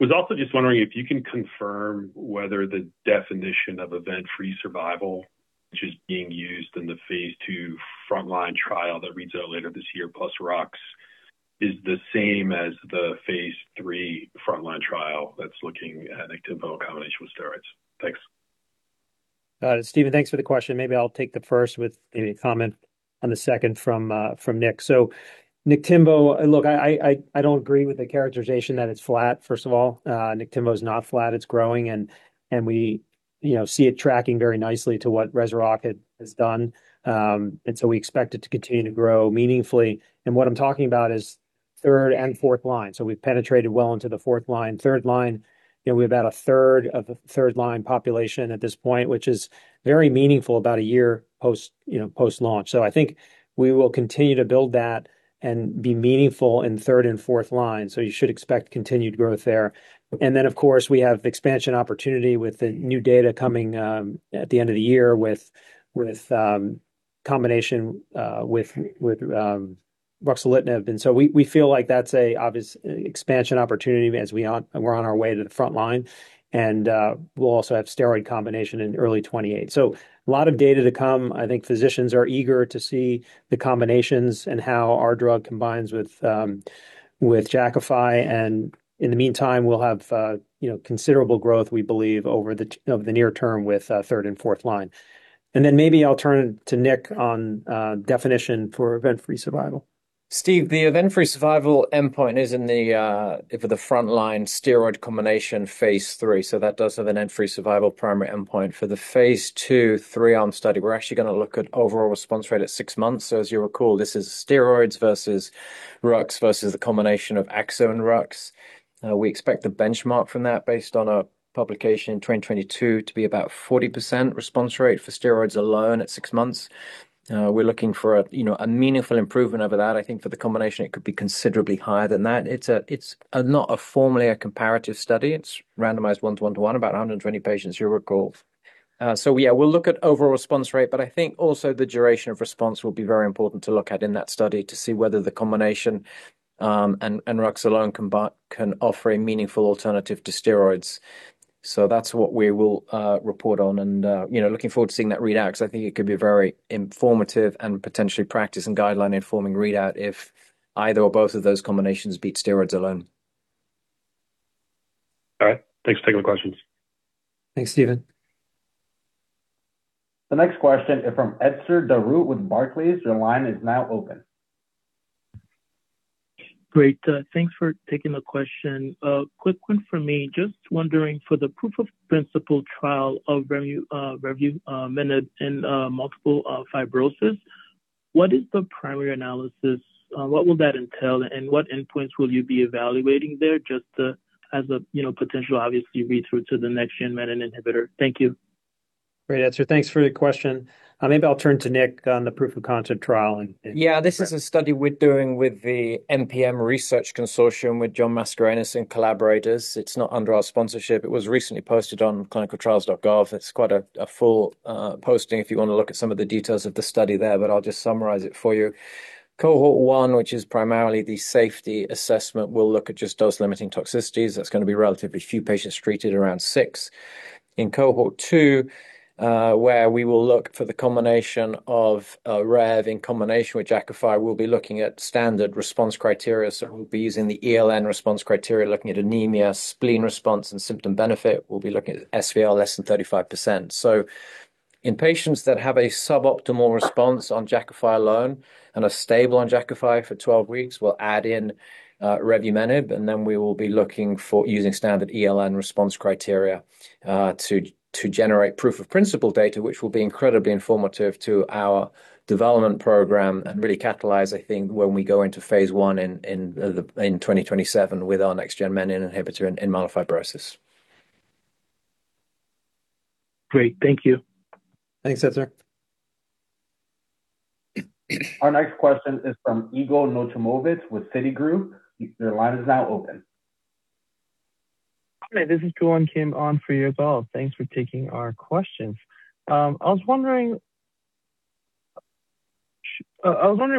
Was also just wondering if you can confirm whether the definition of event-free survival, which is being used in the phase II frontline trial that reads out later this year, plus Rox, is the same as the phase III frontline trial that's looking at Niktimvo in combination with steroids. Thanks. Stephen, thanks for the question. Maybe I'll take the first with maybe a comment on the second from Nick. Niktimvo, look, I don't agree with the characterization that it's flat, first of all. Niktimvo is not flat, it's growing, and we see it tracking very nicely to what REZUROCK has done. We expect it to continue to grow meaningfully. What I'm talking about is third and fourth line. We've penetrated well into the fourth line. third line, we have about a third of the third line population at this point, which is very meaningful about a year post-launch. I think we will continue to build that and be meaningful in third and fourth line. You should expect continued growth there. Of course, we have expansion opportunity with the new data coming at the end of the year with combination with ruxolitinib. We feel like that's a obvious expansion opportunity as we're on our way to the front line. We'll also have steroid combination in early 2028. A lot of data to come. I think physicians are eager to see the combinations and how our drug combines with Jakafi. In the meantime, we'll have considerable growth, we believe, over the near term with third and fourth line. Maybe I'll turn to Nick on definition for event-free survival. Steve, the event-free survival endpoint is in the, for the frontline steroid combination phase III. That does have an event-free survival primary endpoint. For the phase II three-arm study, we're actually going to look at overall response rate at six months. As you recall, this is steroids versus Rux versus the combination of axatilimab and Rux. We expect the benchmark from that based on a publication in 2022 to be about 40% response rate for steroids alone at six months. We're looking for a meaningful improvement over that. I think for the combination, it could be considerably higher than that. It's not formally a comparative study. It's randomized one-to-one-to-one, about 120 patients, you'll recall. Yeah, we'll look at overall response rate, but I think also the duration of response will be very important to look at in that study to see whether the combination, and Rux alone can offer a meaningful alternative to steroids. That's what we will report on and looking forward to seeing that readout, because I think it could be very informative and potentially practice and guideline informing readout if either or both of those combinations beat steroids alone. All right. Thanks for taking the questions. Thanks, Steven. The next question is from Etzer Darout with Barclays. Your line is now open. Great. Thanks for taking the question. A quick one for me. Just wondering, for the proof of principle trial of revumenib in myelofibrosis, what is the primary analysis? What will that entail, and what endpoints will you be evaluating there? Just as a potential, obviously read through to the next gen menin inhibitor. Thank you. Great, Etzer. Thanks for your question. Maybe I'll turn to Nick on the proof of concept trial. Yeah, this is a study we're doing with the MPN Research Foundation with John Mascarenhas and collaborators. It's not under our sponsorship. It was recently posted on clinicaltrials.gov. It's quite a full posting if you want to look at some of the details of the study there, but I'll just summarize it for you. Cohort 1, which is primarily the safety assessment, will look at just dose-limiting toxicities. That's going to be relatively few patients treated, around six. In Cohort 2, where we will look for the combination of rev in combination with Jakafi, we'll be looking at standard response criteria. We'll be using the ELN response criteria, looking at anemia, spleen response, and symptom benefit. We'll be looking at SVR less than 35%. In patients that have a suboptimal response on Jakafi alone and are stable on Jakafi for 12 weeks, we'll add in revumenib, and then we will be looking for using standard ELN response criteria, to generate proof of principle data, which will be incredibly informative to our development program and really catalyze, I think, when we go into phase I in 2027 with our next gen menin inhibitor in myelofibrosis. Great. Thank you. Thanks, Etzer. Our next question is from Yigal Nochomovitz with Citigroup. Your line is now open. Hi, this is Juan Kim on for Yigal. Thanks for taking our questions. I was wondering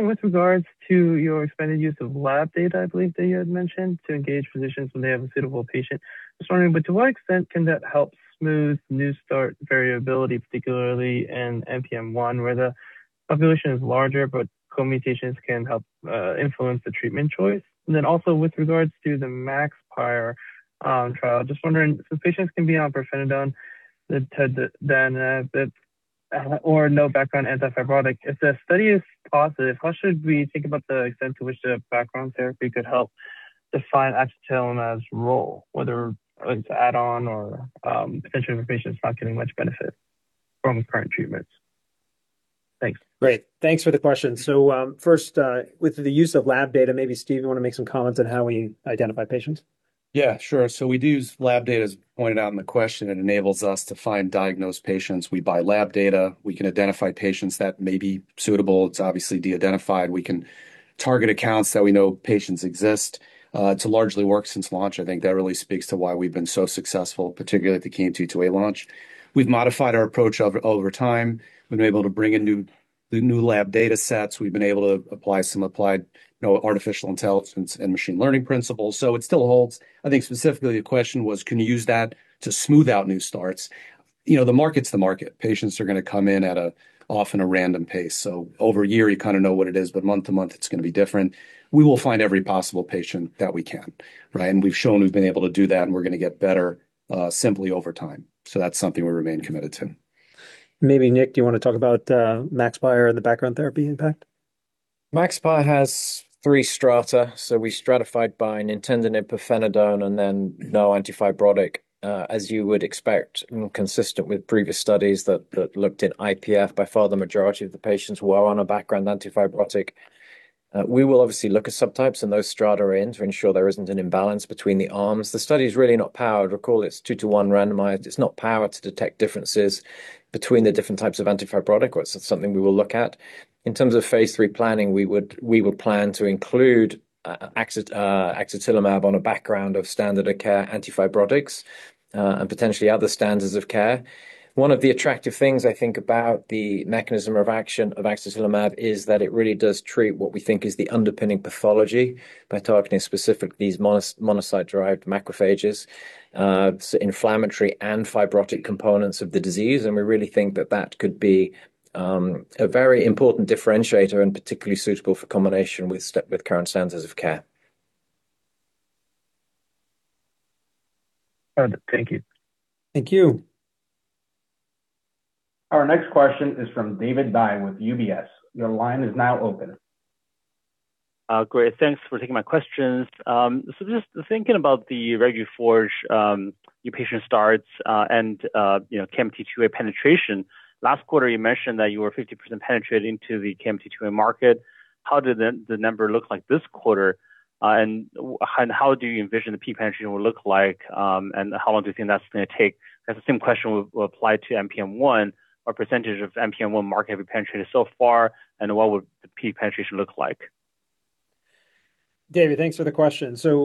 with regards to your expanded use of lab data, I believe that you had mentioned, to engage physicians when they have a suitable patient. To what extent can that help smooth new start variability, particularly in NPM1, where the population is larger, but co-mutations can help influence the treatment choice? Also with regards to the MAXPIRe trial, just wondering, patients can be on pirfenidone or no background anti-fibrotic. If the study is positive, how should we think about the extent to which the background therapy could help define axatilimab's role, whether it's add-on or potentially for patients not getting much benefit from current treatments? Thanks. Great. Thanks for the question. First, with the use of lab data, maybe Steve, you want to make some comments on how we identify patients? Yeah, sure. We do use lab data, as pointed out in the question. It enables us to find diagnosed patients. We buy lab data. We can identify patients that may be suitable. It's obviously de-identified. We can target accounts that we know patients exist. It's largely worked since launch. I think that really speaks to why we've been so successful, particularly at the CAN 2-2a launch. We've modified our approach over time. We've been able to bring in new lab data sets. We've been able to apply some applied artificial intelligence and machine learning principles. It still holds. I think specifically the question was, can you use that to smooth out new starts? The market's the market. Patients are going to come in at often a random pace. Over a year, you know what it is, but month to month, it's going to be different. We will find every possible patient that we can, right? We've shown we've been able to do that, and we're going to get better simply over time. That's something we remain committed to. Maybe Nick, do you want to talk about MAXPIRe and the background therapy impact? MAXPIRe has three strata. We stratified by nintedanib, pirfenidone, and then no anti-fibrotic, as you would expect, consistent with previous studies that looked at IPF. By far, the majority of the patients were on a background anti-fibrotic. We will obviously look at subtypes in those strata to ensure there isn't an imbalance between the arms. The study is really not powered. Recall it's two to one randomized. It's not powered to detect differences between the different types of anti-fibrotic. That's something we will look at. In terms of phase III planning, we would plan to include axatilimab on a background of standard of care anti-fibrotics, and potentially other standards of care. One of the attractive things I think about the mechanism of action of axatilimab is that it really does treat what we think is the underpinning pathology by targeting specific, these monocyte-derived macrophages, so inflammatory and fibrotic components of the disease. We really think that that could be a very important differentiator and particularly suitable for combination with current standards of care. Understood. Thank you. Thank you. Our next question is from David Dai with UBS. Your line is now open. Great. Thanks for taking my questions. Just thinking about the Revuforj, new patient starts, and KMT2A penetration. Last quarter, you mentioned that you were 50% penetrating to the KMT2A market. How did the number look like this quarter? How do you envision the peak penetration will look like? How long do you think that's going to take? That's the same question we'll apply to NPM1. What percentage of NPM1 market have you penetrated so far, and what would the peak penetration look like? David, thanks for the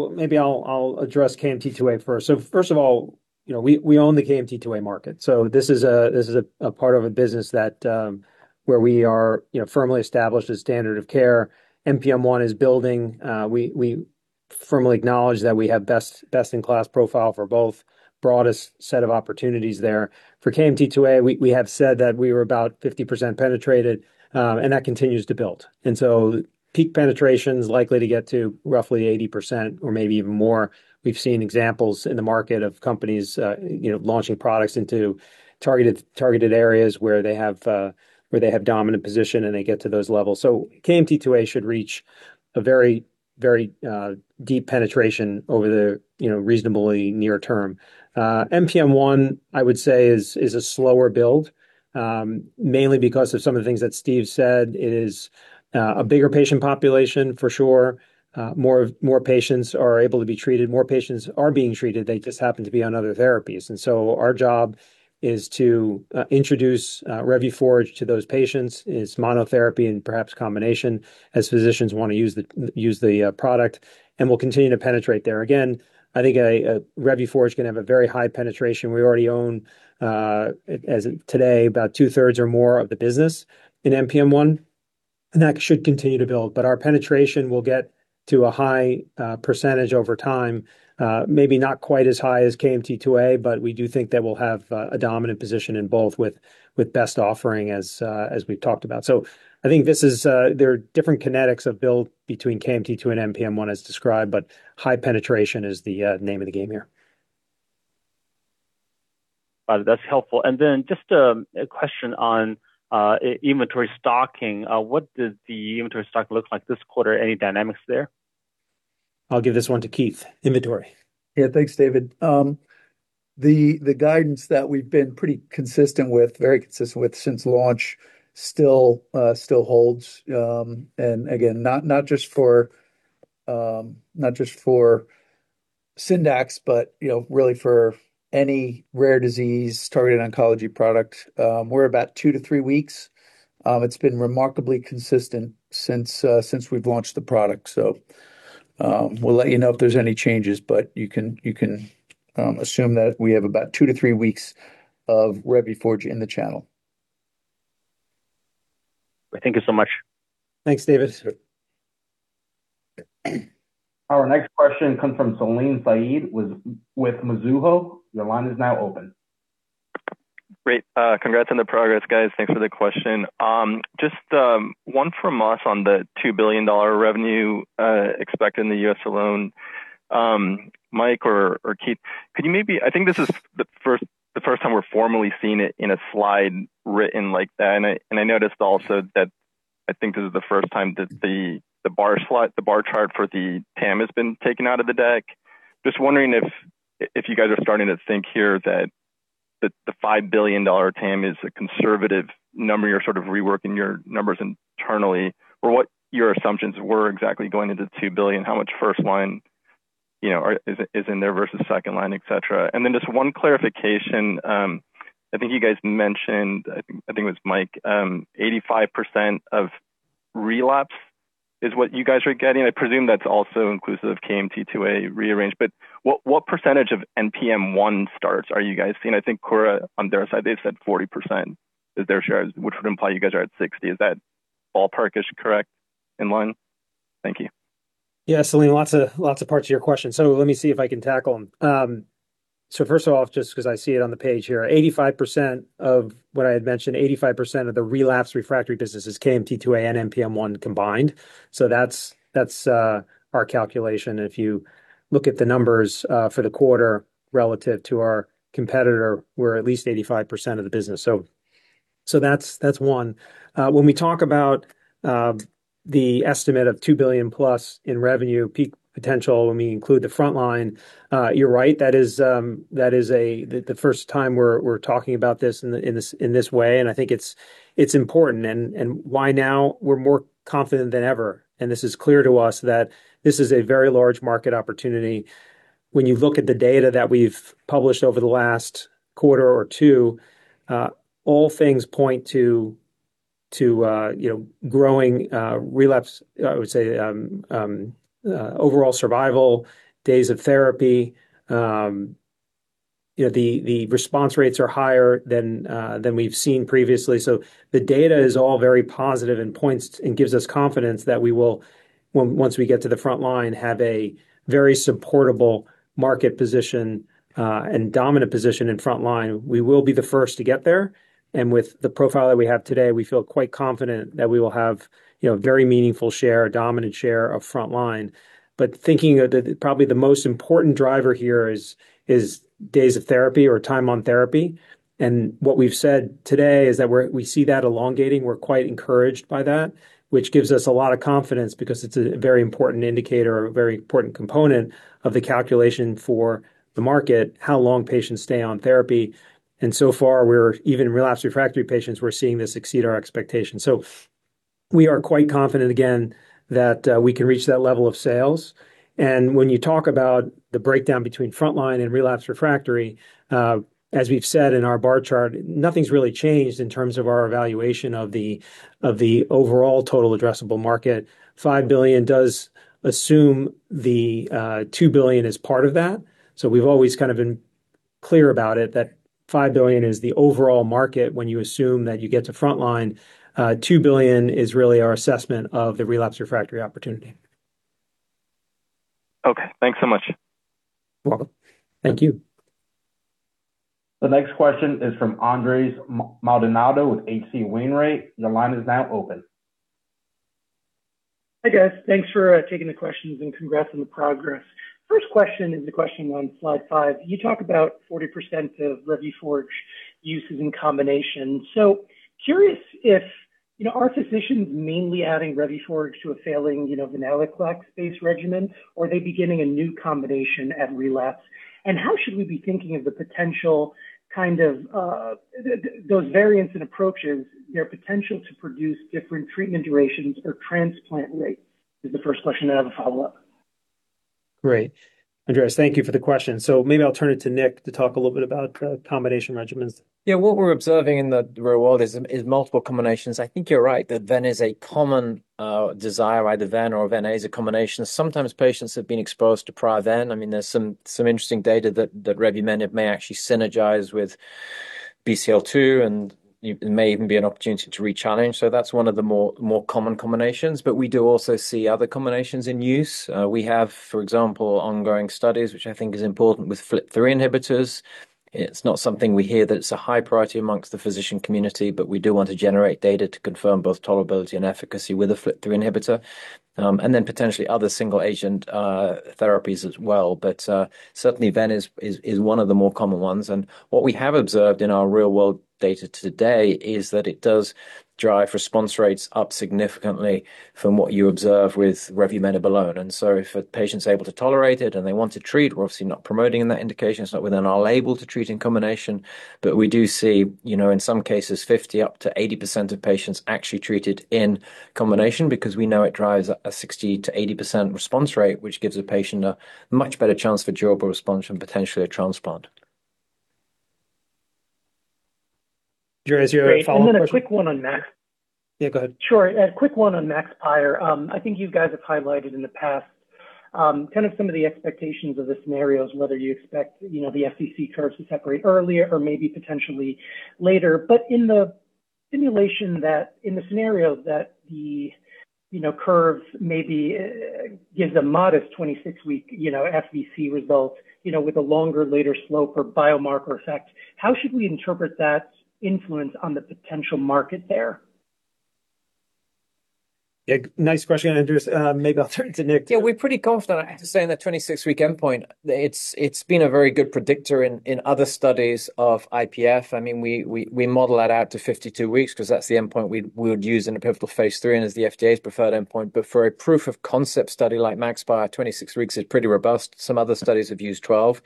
question. Maybe I'll address KMT2A first. First of all, we own the KMT2A market. This is a part of a business that where we are firmly established as standard of care. NPM1 is building. We firmly acknowledge that we have best in class profile for both broadest set of opportunities there. For KMT2A, we have said that we were about 50% penetrated, and that continues to build. Peak penetration's likely to get to roughly 80% or maybe even more. We've seen examples in the market of companies launching products into targeted areas where they have dominant position, and they get to those levels. KMT2A should reach a very deep penetration over the reasonably near term. NPM1, I would say is a slower build, mainly because of some of the things that Steve said. It is a bigger patient population for sure. More patients are able to be treated, more patients are being treated. They just happen to be on other therapies. Our job is to introduce Revuforj to those patients. It's monotherapy and perhaps combination as physicians want to use the product, and we'll continue to penetrate there. Again, I think Revuforj can have a very high penetration. We already own, as of today, about two-thirds or more of the business in NPM1, and that should continue to build. Our penetration will get to a high percentage over time. Maybe not quite as high as KMT2A, but we do think that we'll have a dominant position in both with best offering as we've talked about. I think there are different kinetics of build between KMT2 and NPM1 as described, but high penetration is the name of the game here. That's helpful. Then just a question on inventory stocking. What does the inventory stock look like this quarter? Any dynamics there? I'll give this one to Keith. Inventory. Thanks, David. The guidance that we've been pretty consistent with, very consistent with since launch, still holds. Again, not just for Syndax, but really for any rare disease-targeted oncology product. We're about two to three weeks. It's been remarkably consistent since we've launched the product. We'll let you know if there's any changes, but you can assume that we have about two to three weeks of Revuforj in the channel. Thank you so much. Thanks, David. Our next question comes from Salim Syed with Mizuho. Your line is now open. Great. Congrats on the progress, guys. Thanks for the question. One from us on the $2 billion revenue expected in the U.S. alone. Mike or Keith, could you maybe I think this is the first time we're formally seeing it in a slide written like that, and I noticed also that I think this is the first time that the bar chart for the TAM has been taken out of the deck. Wondering if you guys are starting to think here that the $5 billion TAM is a conservative number, you're sort of reworking your numbers internally, or what your assumptions were exactly going into $2 billion, how much first-line is in there versus second-line, et cetera. Then one clarification. I think you guys mentioned, I think it was Mike, 85% of relapse is what you guys are getting. I presume that's also inclusive of KMT2A rearrange. What % of MPM1 starts are you guys seeing? I think Kura on their side, they've said 40% is their shares, which would imply you guys are at 60. Is that ballpark-ish correct in line? Thank you. Salim, lots of parts of your question. Let me see if I can tackle them. First of all, just because I see it on the page here, 85% of what I had mentioned, 85% of the relapse refractory business is KMT2A and NPM1 combined. That's our calculation. If you look at the numbers for the quarter relative to our competitor, we're at least 85% of the business. That's one. When we talk about the estimate of $2 billion plus in revenue peak potential, when we include the frontline, you're right. That is the first time we're talking about this in this way, and I think it's important. Why now? We're more confident than ever, and this is clear to us that this is a very large market opportunity. When you look at the data that we've published over the last quarter or two, all things point to growing relapse, I would say, overall survival, days of therapy. The response rates are higher than we've seen previously. The data is all very positive and gives us confidence that we will, once we get to the frontline, have a very supportable market position and dominant position in frontline. We will be the first to get there. With the profile that we have today, we feel quite confident that we will have a very meaningful share, a dominant share of frontline. Thinking probably the most important driver here is days of therapy or time on therapy. What we've said today is that we see that elongating. We're quite encouraged by that, which gives us a lot of confidence because it's a very important indicator, a very important component of the calculation for the market, how long patients stay on therapy. So far, even in relapse refractory patients, we're seeing this exceed our expectations. We are quite confident, again, that we can reach that level of sales. When you talk about the breakdown between frontline and relapse refractory, as we've said in our bar chart, nothing's really changed in terms of our evaluation of the overall total addressable market. $5 billion does assume the $2 billion is part of that. We've always been clear about it, that $5 billion is the overall market when you assume that you get to frontline. $2 billion is really our assessment of the relapse refractory opportunity. Okay, thanks so much. You're welcome. Thank you. The next question is from Andres Maldonado with H.C. Wainwright. Your line is now open. Hi, guys. Thanks for taking the questions and congrats on the progress. First question is a question on slide five. You talk about 40% of Revuforj uses in combination. Curious if, are physicians mainly adding Revuforj to a failing venetoclax-based regimen, or are they beginning a new combination at relapse? How should we be thinking of those variants and approaches, their potential to produce different treatment durations or transplant rates? This is the first question, then I have a follow-up. Great. Andres, thank you for the question. Maybe I'll turn it to Nick to talk a little bit about combination regimens. Yeah, what we're observing in the real world is multiple combinations. I think you're right that ven is a common desire, either ven or ven as a combination. Sometimes patients have been exposed to prior ven. There's some interesting data that revumenib may actually synergize with BCL-2 and may even be an opportunity to re-challenge. That's one of the more common combinations, but we do also see other combinations in use. We have, for example, ongoing studies, which I think is important with FLT3 inhibitors. It's not something we hear that it's a high priority amongst the physician community, but we do want to generate data to confirm both tolerability and efficacy with a FLT3 inhibitor, and then potentially other single agent therapies as well. Certainly ven is one of the more common ones, and what we have observed in our real-world data today is that it does drive response rates up significantly from what you observe with revumenib alone. If a patient's able to tolerate it and they want to treat, we're obviously not promoting in that indication. It's not within our label to treat in combination. We do see, in some cases, 50%-80% of patients actually treated in combination because we know it drives a 60%-80% response rate, which gives a patient a much better chance for durable response and potentially a transplant. Andres, you have a follow-up question? Great. Then a quick one on that. Yeah, go ahead. Sure. A quick one on MAXPIRe. I think you guys have highlighted in the past some of the expectations of the scenarios, whether you expect the FVC curves to separate earlier or maybe potentially later. In the scenario that the curves maybe gives a modest 26-week FVC result with a longer later slope or biomarker effect, how should we interpret that influence on the potential market there? Yeah, nice question, Andres. Maybe I'll turn to Nick. Yeah, we're pretty confident, I have to say, in that 26-week endpoint. It's been a very good predictor in other studies of IPF. We model that out to 52 weeks because that's the endpoint we would use in a pivotal phase III and is the FDA's preferred endpoint. For a proof of concept study like MAXPIRe, 26 weeks is pretty robust. Some other studies have used 12.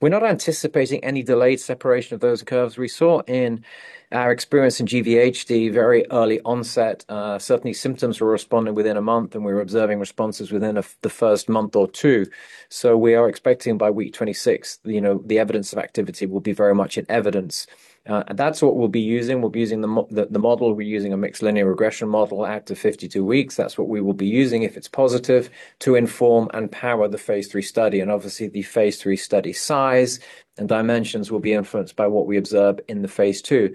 We're not anticipating any delayed separation of those curves. We saw in our experience in GVHD, very early onset. Certainly symptoms were responding within a month, and we were observing responses within the first month or two. We are expecting by week 26, the evidence of activity will be very much in evidence. That's what we'll be using. We'll be using the model. We're using a mixed linear regression model out to 52 weeks. That's what we will be using if it's positive to inform and power the phase III study. Obviously, the phase III study size and dimensions will be influenced by what we observe in the phase II.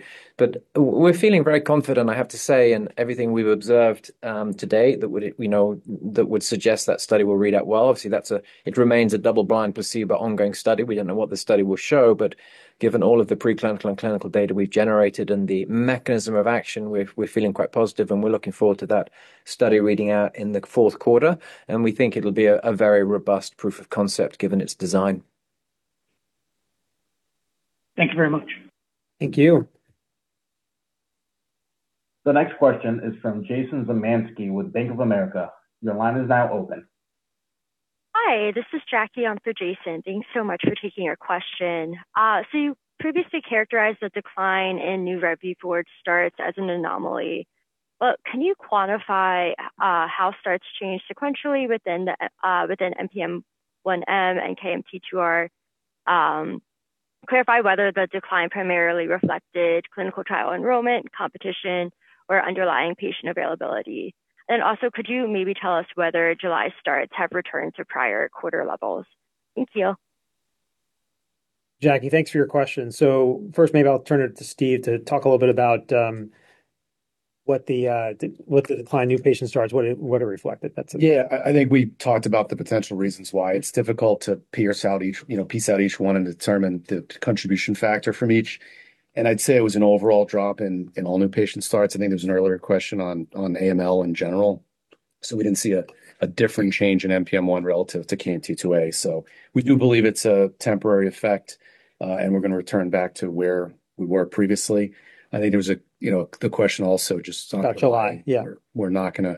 We're feeling very confident, I have to say, in everything we've observed to date that would suggest that study will read out well. Obviously, it remains a double-blind, placebo, ongoing study. We don't know what the study will show, but given all of the preclinical and clinical data we've generated and the mechanism of action, we're feeling quite positive, and we're looking forward to that study reading out in the fourth quarter. We think it'll be a very robust proof of concept given its design. Thank you very much. Thank you. The next question is from Jason Zemansky with Bank of America. Your line is now open. Hi, this is Jackie on for Jason. Thanks so much for taking our question. You previously characterized the decline in new Revuforj starts as an anomaly, but can you quantify how starts change sequentially within NPM1M and KMT2A-R? Clarify whether the decline primarily reflected clinical trial enrollment, competition, or underlying patient availability. Also, could you maybe tell us whether July starts have returned to prior quarter levels? Thank you. Jackie, thanks for your question. First maybe I'll turn it to Steve to talk a little bit about what the decline in new patient starts, what it reflected. That's it. I think we talked about the potential reasons why it's difficult to piece out each one and determine the contribution factor from each. I'd say it was an overall drop in all new patient starts. I think there was an earlier question on AML in general. We didn't see a differing change in NPM1 relative to KMT2A. We do believe it's a temporary effect, and we're going to return back to where we were previously. I think there was the question also just- About July. Yeah. We're not going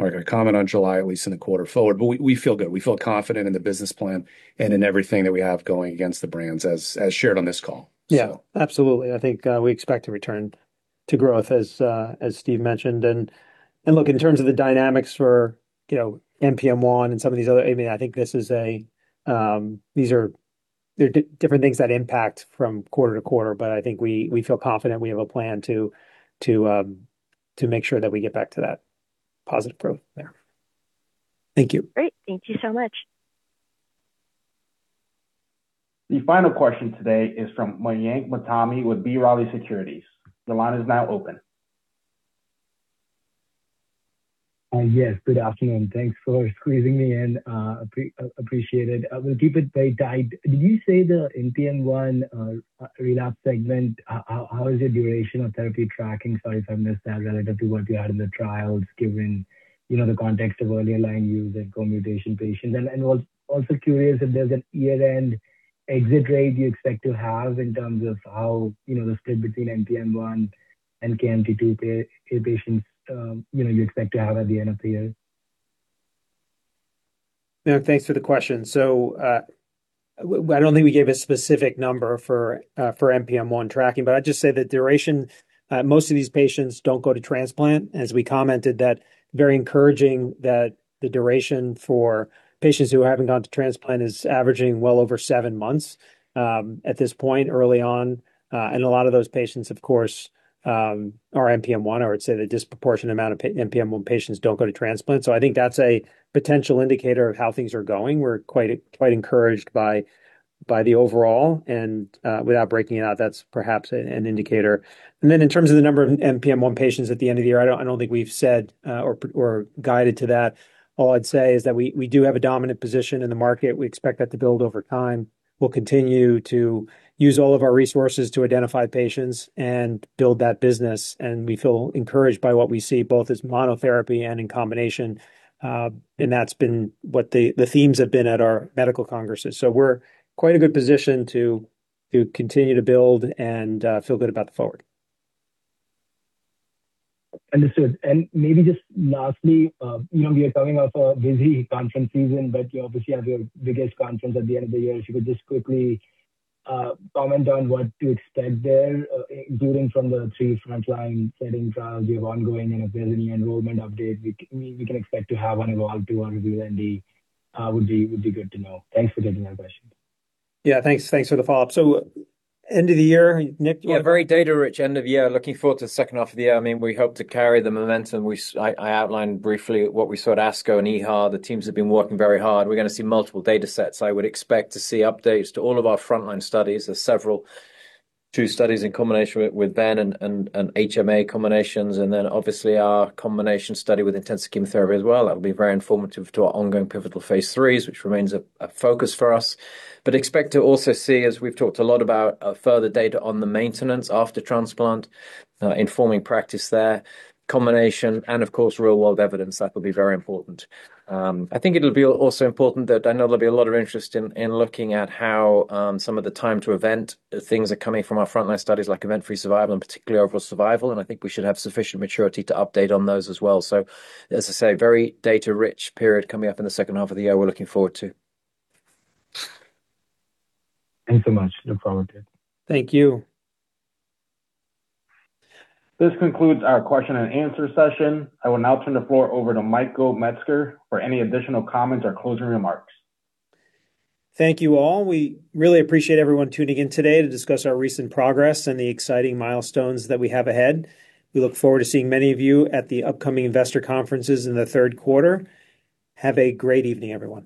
to comment on July, at least in the quarter forward. We feel good. We feel confident in the business plan and in everything that we have going against the brands as shared on this call. Yeah. Absolutely. I think we expect to return to growth as Steve mentioned. Look, in terms of the dynamics for NPM1 and some of these other I think there are different things that impact from quarter to quarter, but I think we feel confident we have a plan to make sure that we get back to that positive growth there. Thank you. Great. Thank you so much. The final question today is from Mayank Mamtani with B. Riley Securities. Your line is now open. Yes, good afternoon. Thanks for squeezing me in. Appreciate it. I will keep it very tight. Did you say the NPM1 relapse segment, how is the duration of therapy tracking, sorry if I missed that, relative to what you had in the trials, given the context of earlier line use in co-mutation patients? Was also curious if there's a year-end exit rate you expect to have in terms of how the split between NPM1 and KMT2A patients you expect to have at the end of the year? Mayank, thanks for the question. I don't think we gave a specific number for NPM1 tracking, I'd just say that duration, most of these patients don't go to transplant. As we commented, that very encouraging that the duration for patients who haven't gone to transplant is averaging well over seven months at this point early on. A lot of those patients, of course, are NPM1 or I'd say the disproportionate amount of NPM1 patients don't go to transplant. I think that's a potential indicator of how things are going. We're quite encouraged by the overall, and without breaking it out, that's perhaps an indicator. In terms of the number of NPM1 patients at the end of the year, I don't think we've said or guided to that. All I'd say is that we do have a dominant position in the market. We expect that to build over time. We'll continue to use all of our resources to identify patients and build that business, we feel encouraged by what we see both as monotherapy and in combination. That's been what the themes have been at our medical congresses. We're quite in a good position to continue to build and feel good about the forward. Understood. Maybe just lastly, we are coming off a busy conference season, obviously you have your biggest conference at the end of the year. If you could just quickly comment on what to expect there, including from the three frontline setting trials we have ongoing, and if there's any enrollment update we can expect to have on EVOLVE-2 or REVEAL-ND would be good to know. Thanks for taking my question. Yeah, thanks. Thanks for the follow-up. End of the year, Nick, do you want- Yeah, very data rich end of year. Looking forward to the second half of the year. We hope to carry the momentum. I outlined briefly what we saw at ASCO and EHA. The teams have been working very hard. We're going to see multiple data sets. I would expect to see updates to all of our frontline studies. There's several, two studies in combination with BEN and HMA combinations, and then obviously our combination study with intensive chemotherapy as well. That'll be very informative to our ongoing pivotal phase IIIs, which remains a focus for us. Expect to also see, as we've talked a lot about, further data on the maintenance after transplant, informing practice there, combination, and of course, real-world evidence. That will be very important. I think it'll be also important that I know there'll be a lot of interest in looking at how some of the time to event things are coming from our frontline studies, like event-free survival and particularly overall survival. I think we should have sufficient maturity to update on those as well. As I say, very data rich period coming up in the second half of the year we're looking forward to. Thanks so much. No problem. Thank you. This concludes our question and answer session. I will now turn the floor over to Michael Metzger for any additional comments or closing remarks. Thank you all. We really appreciate everyone tuning in today to discuss our recent progress and the exciting milestones that we have ahead. We look forward to seeing many of you at the upcoming investor conferences in the third quarter. Have a great evening, everyone.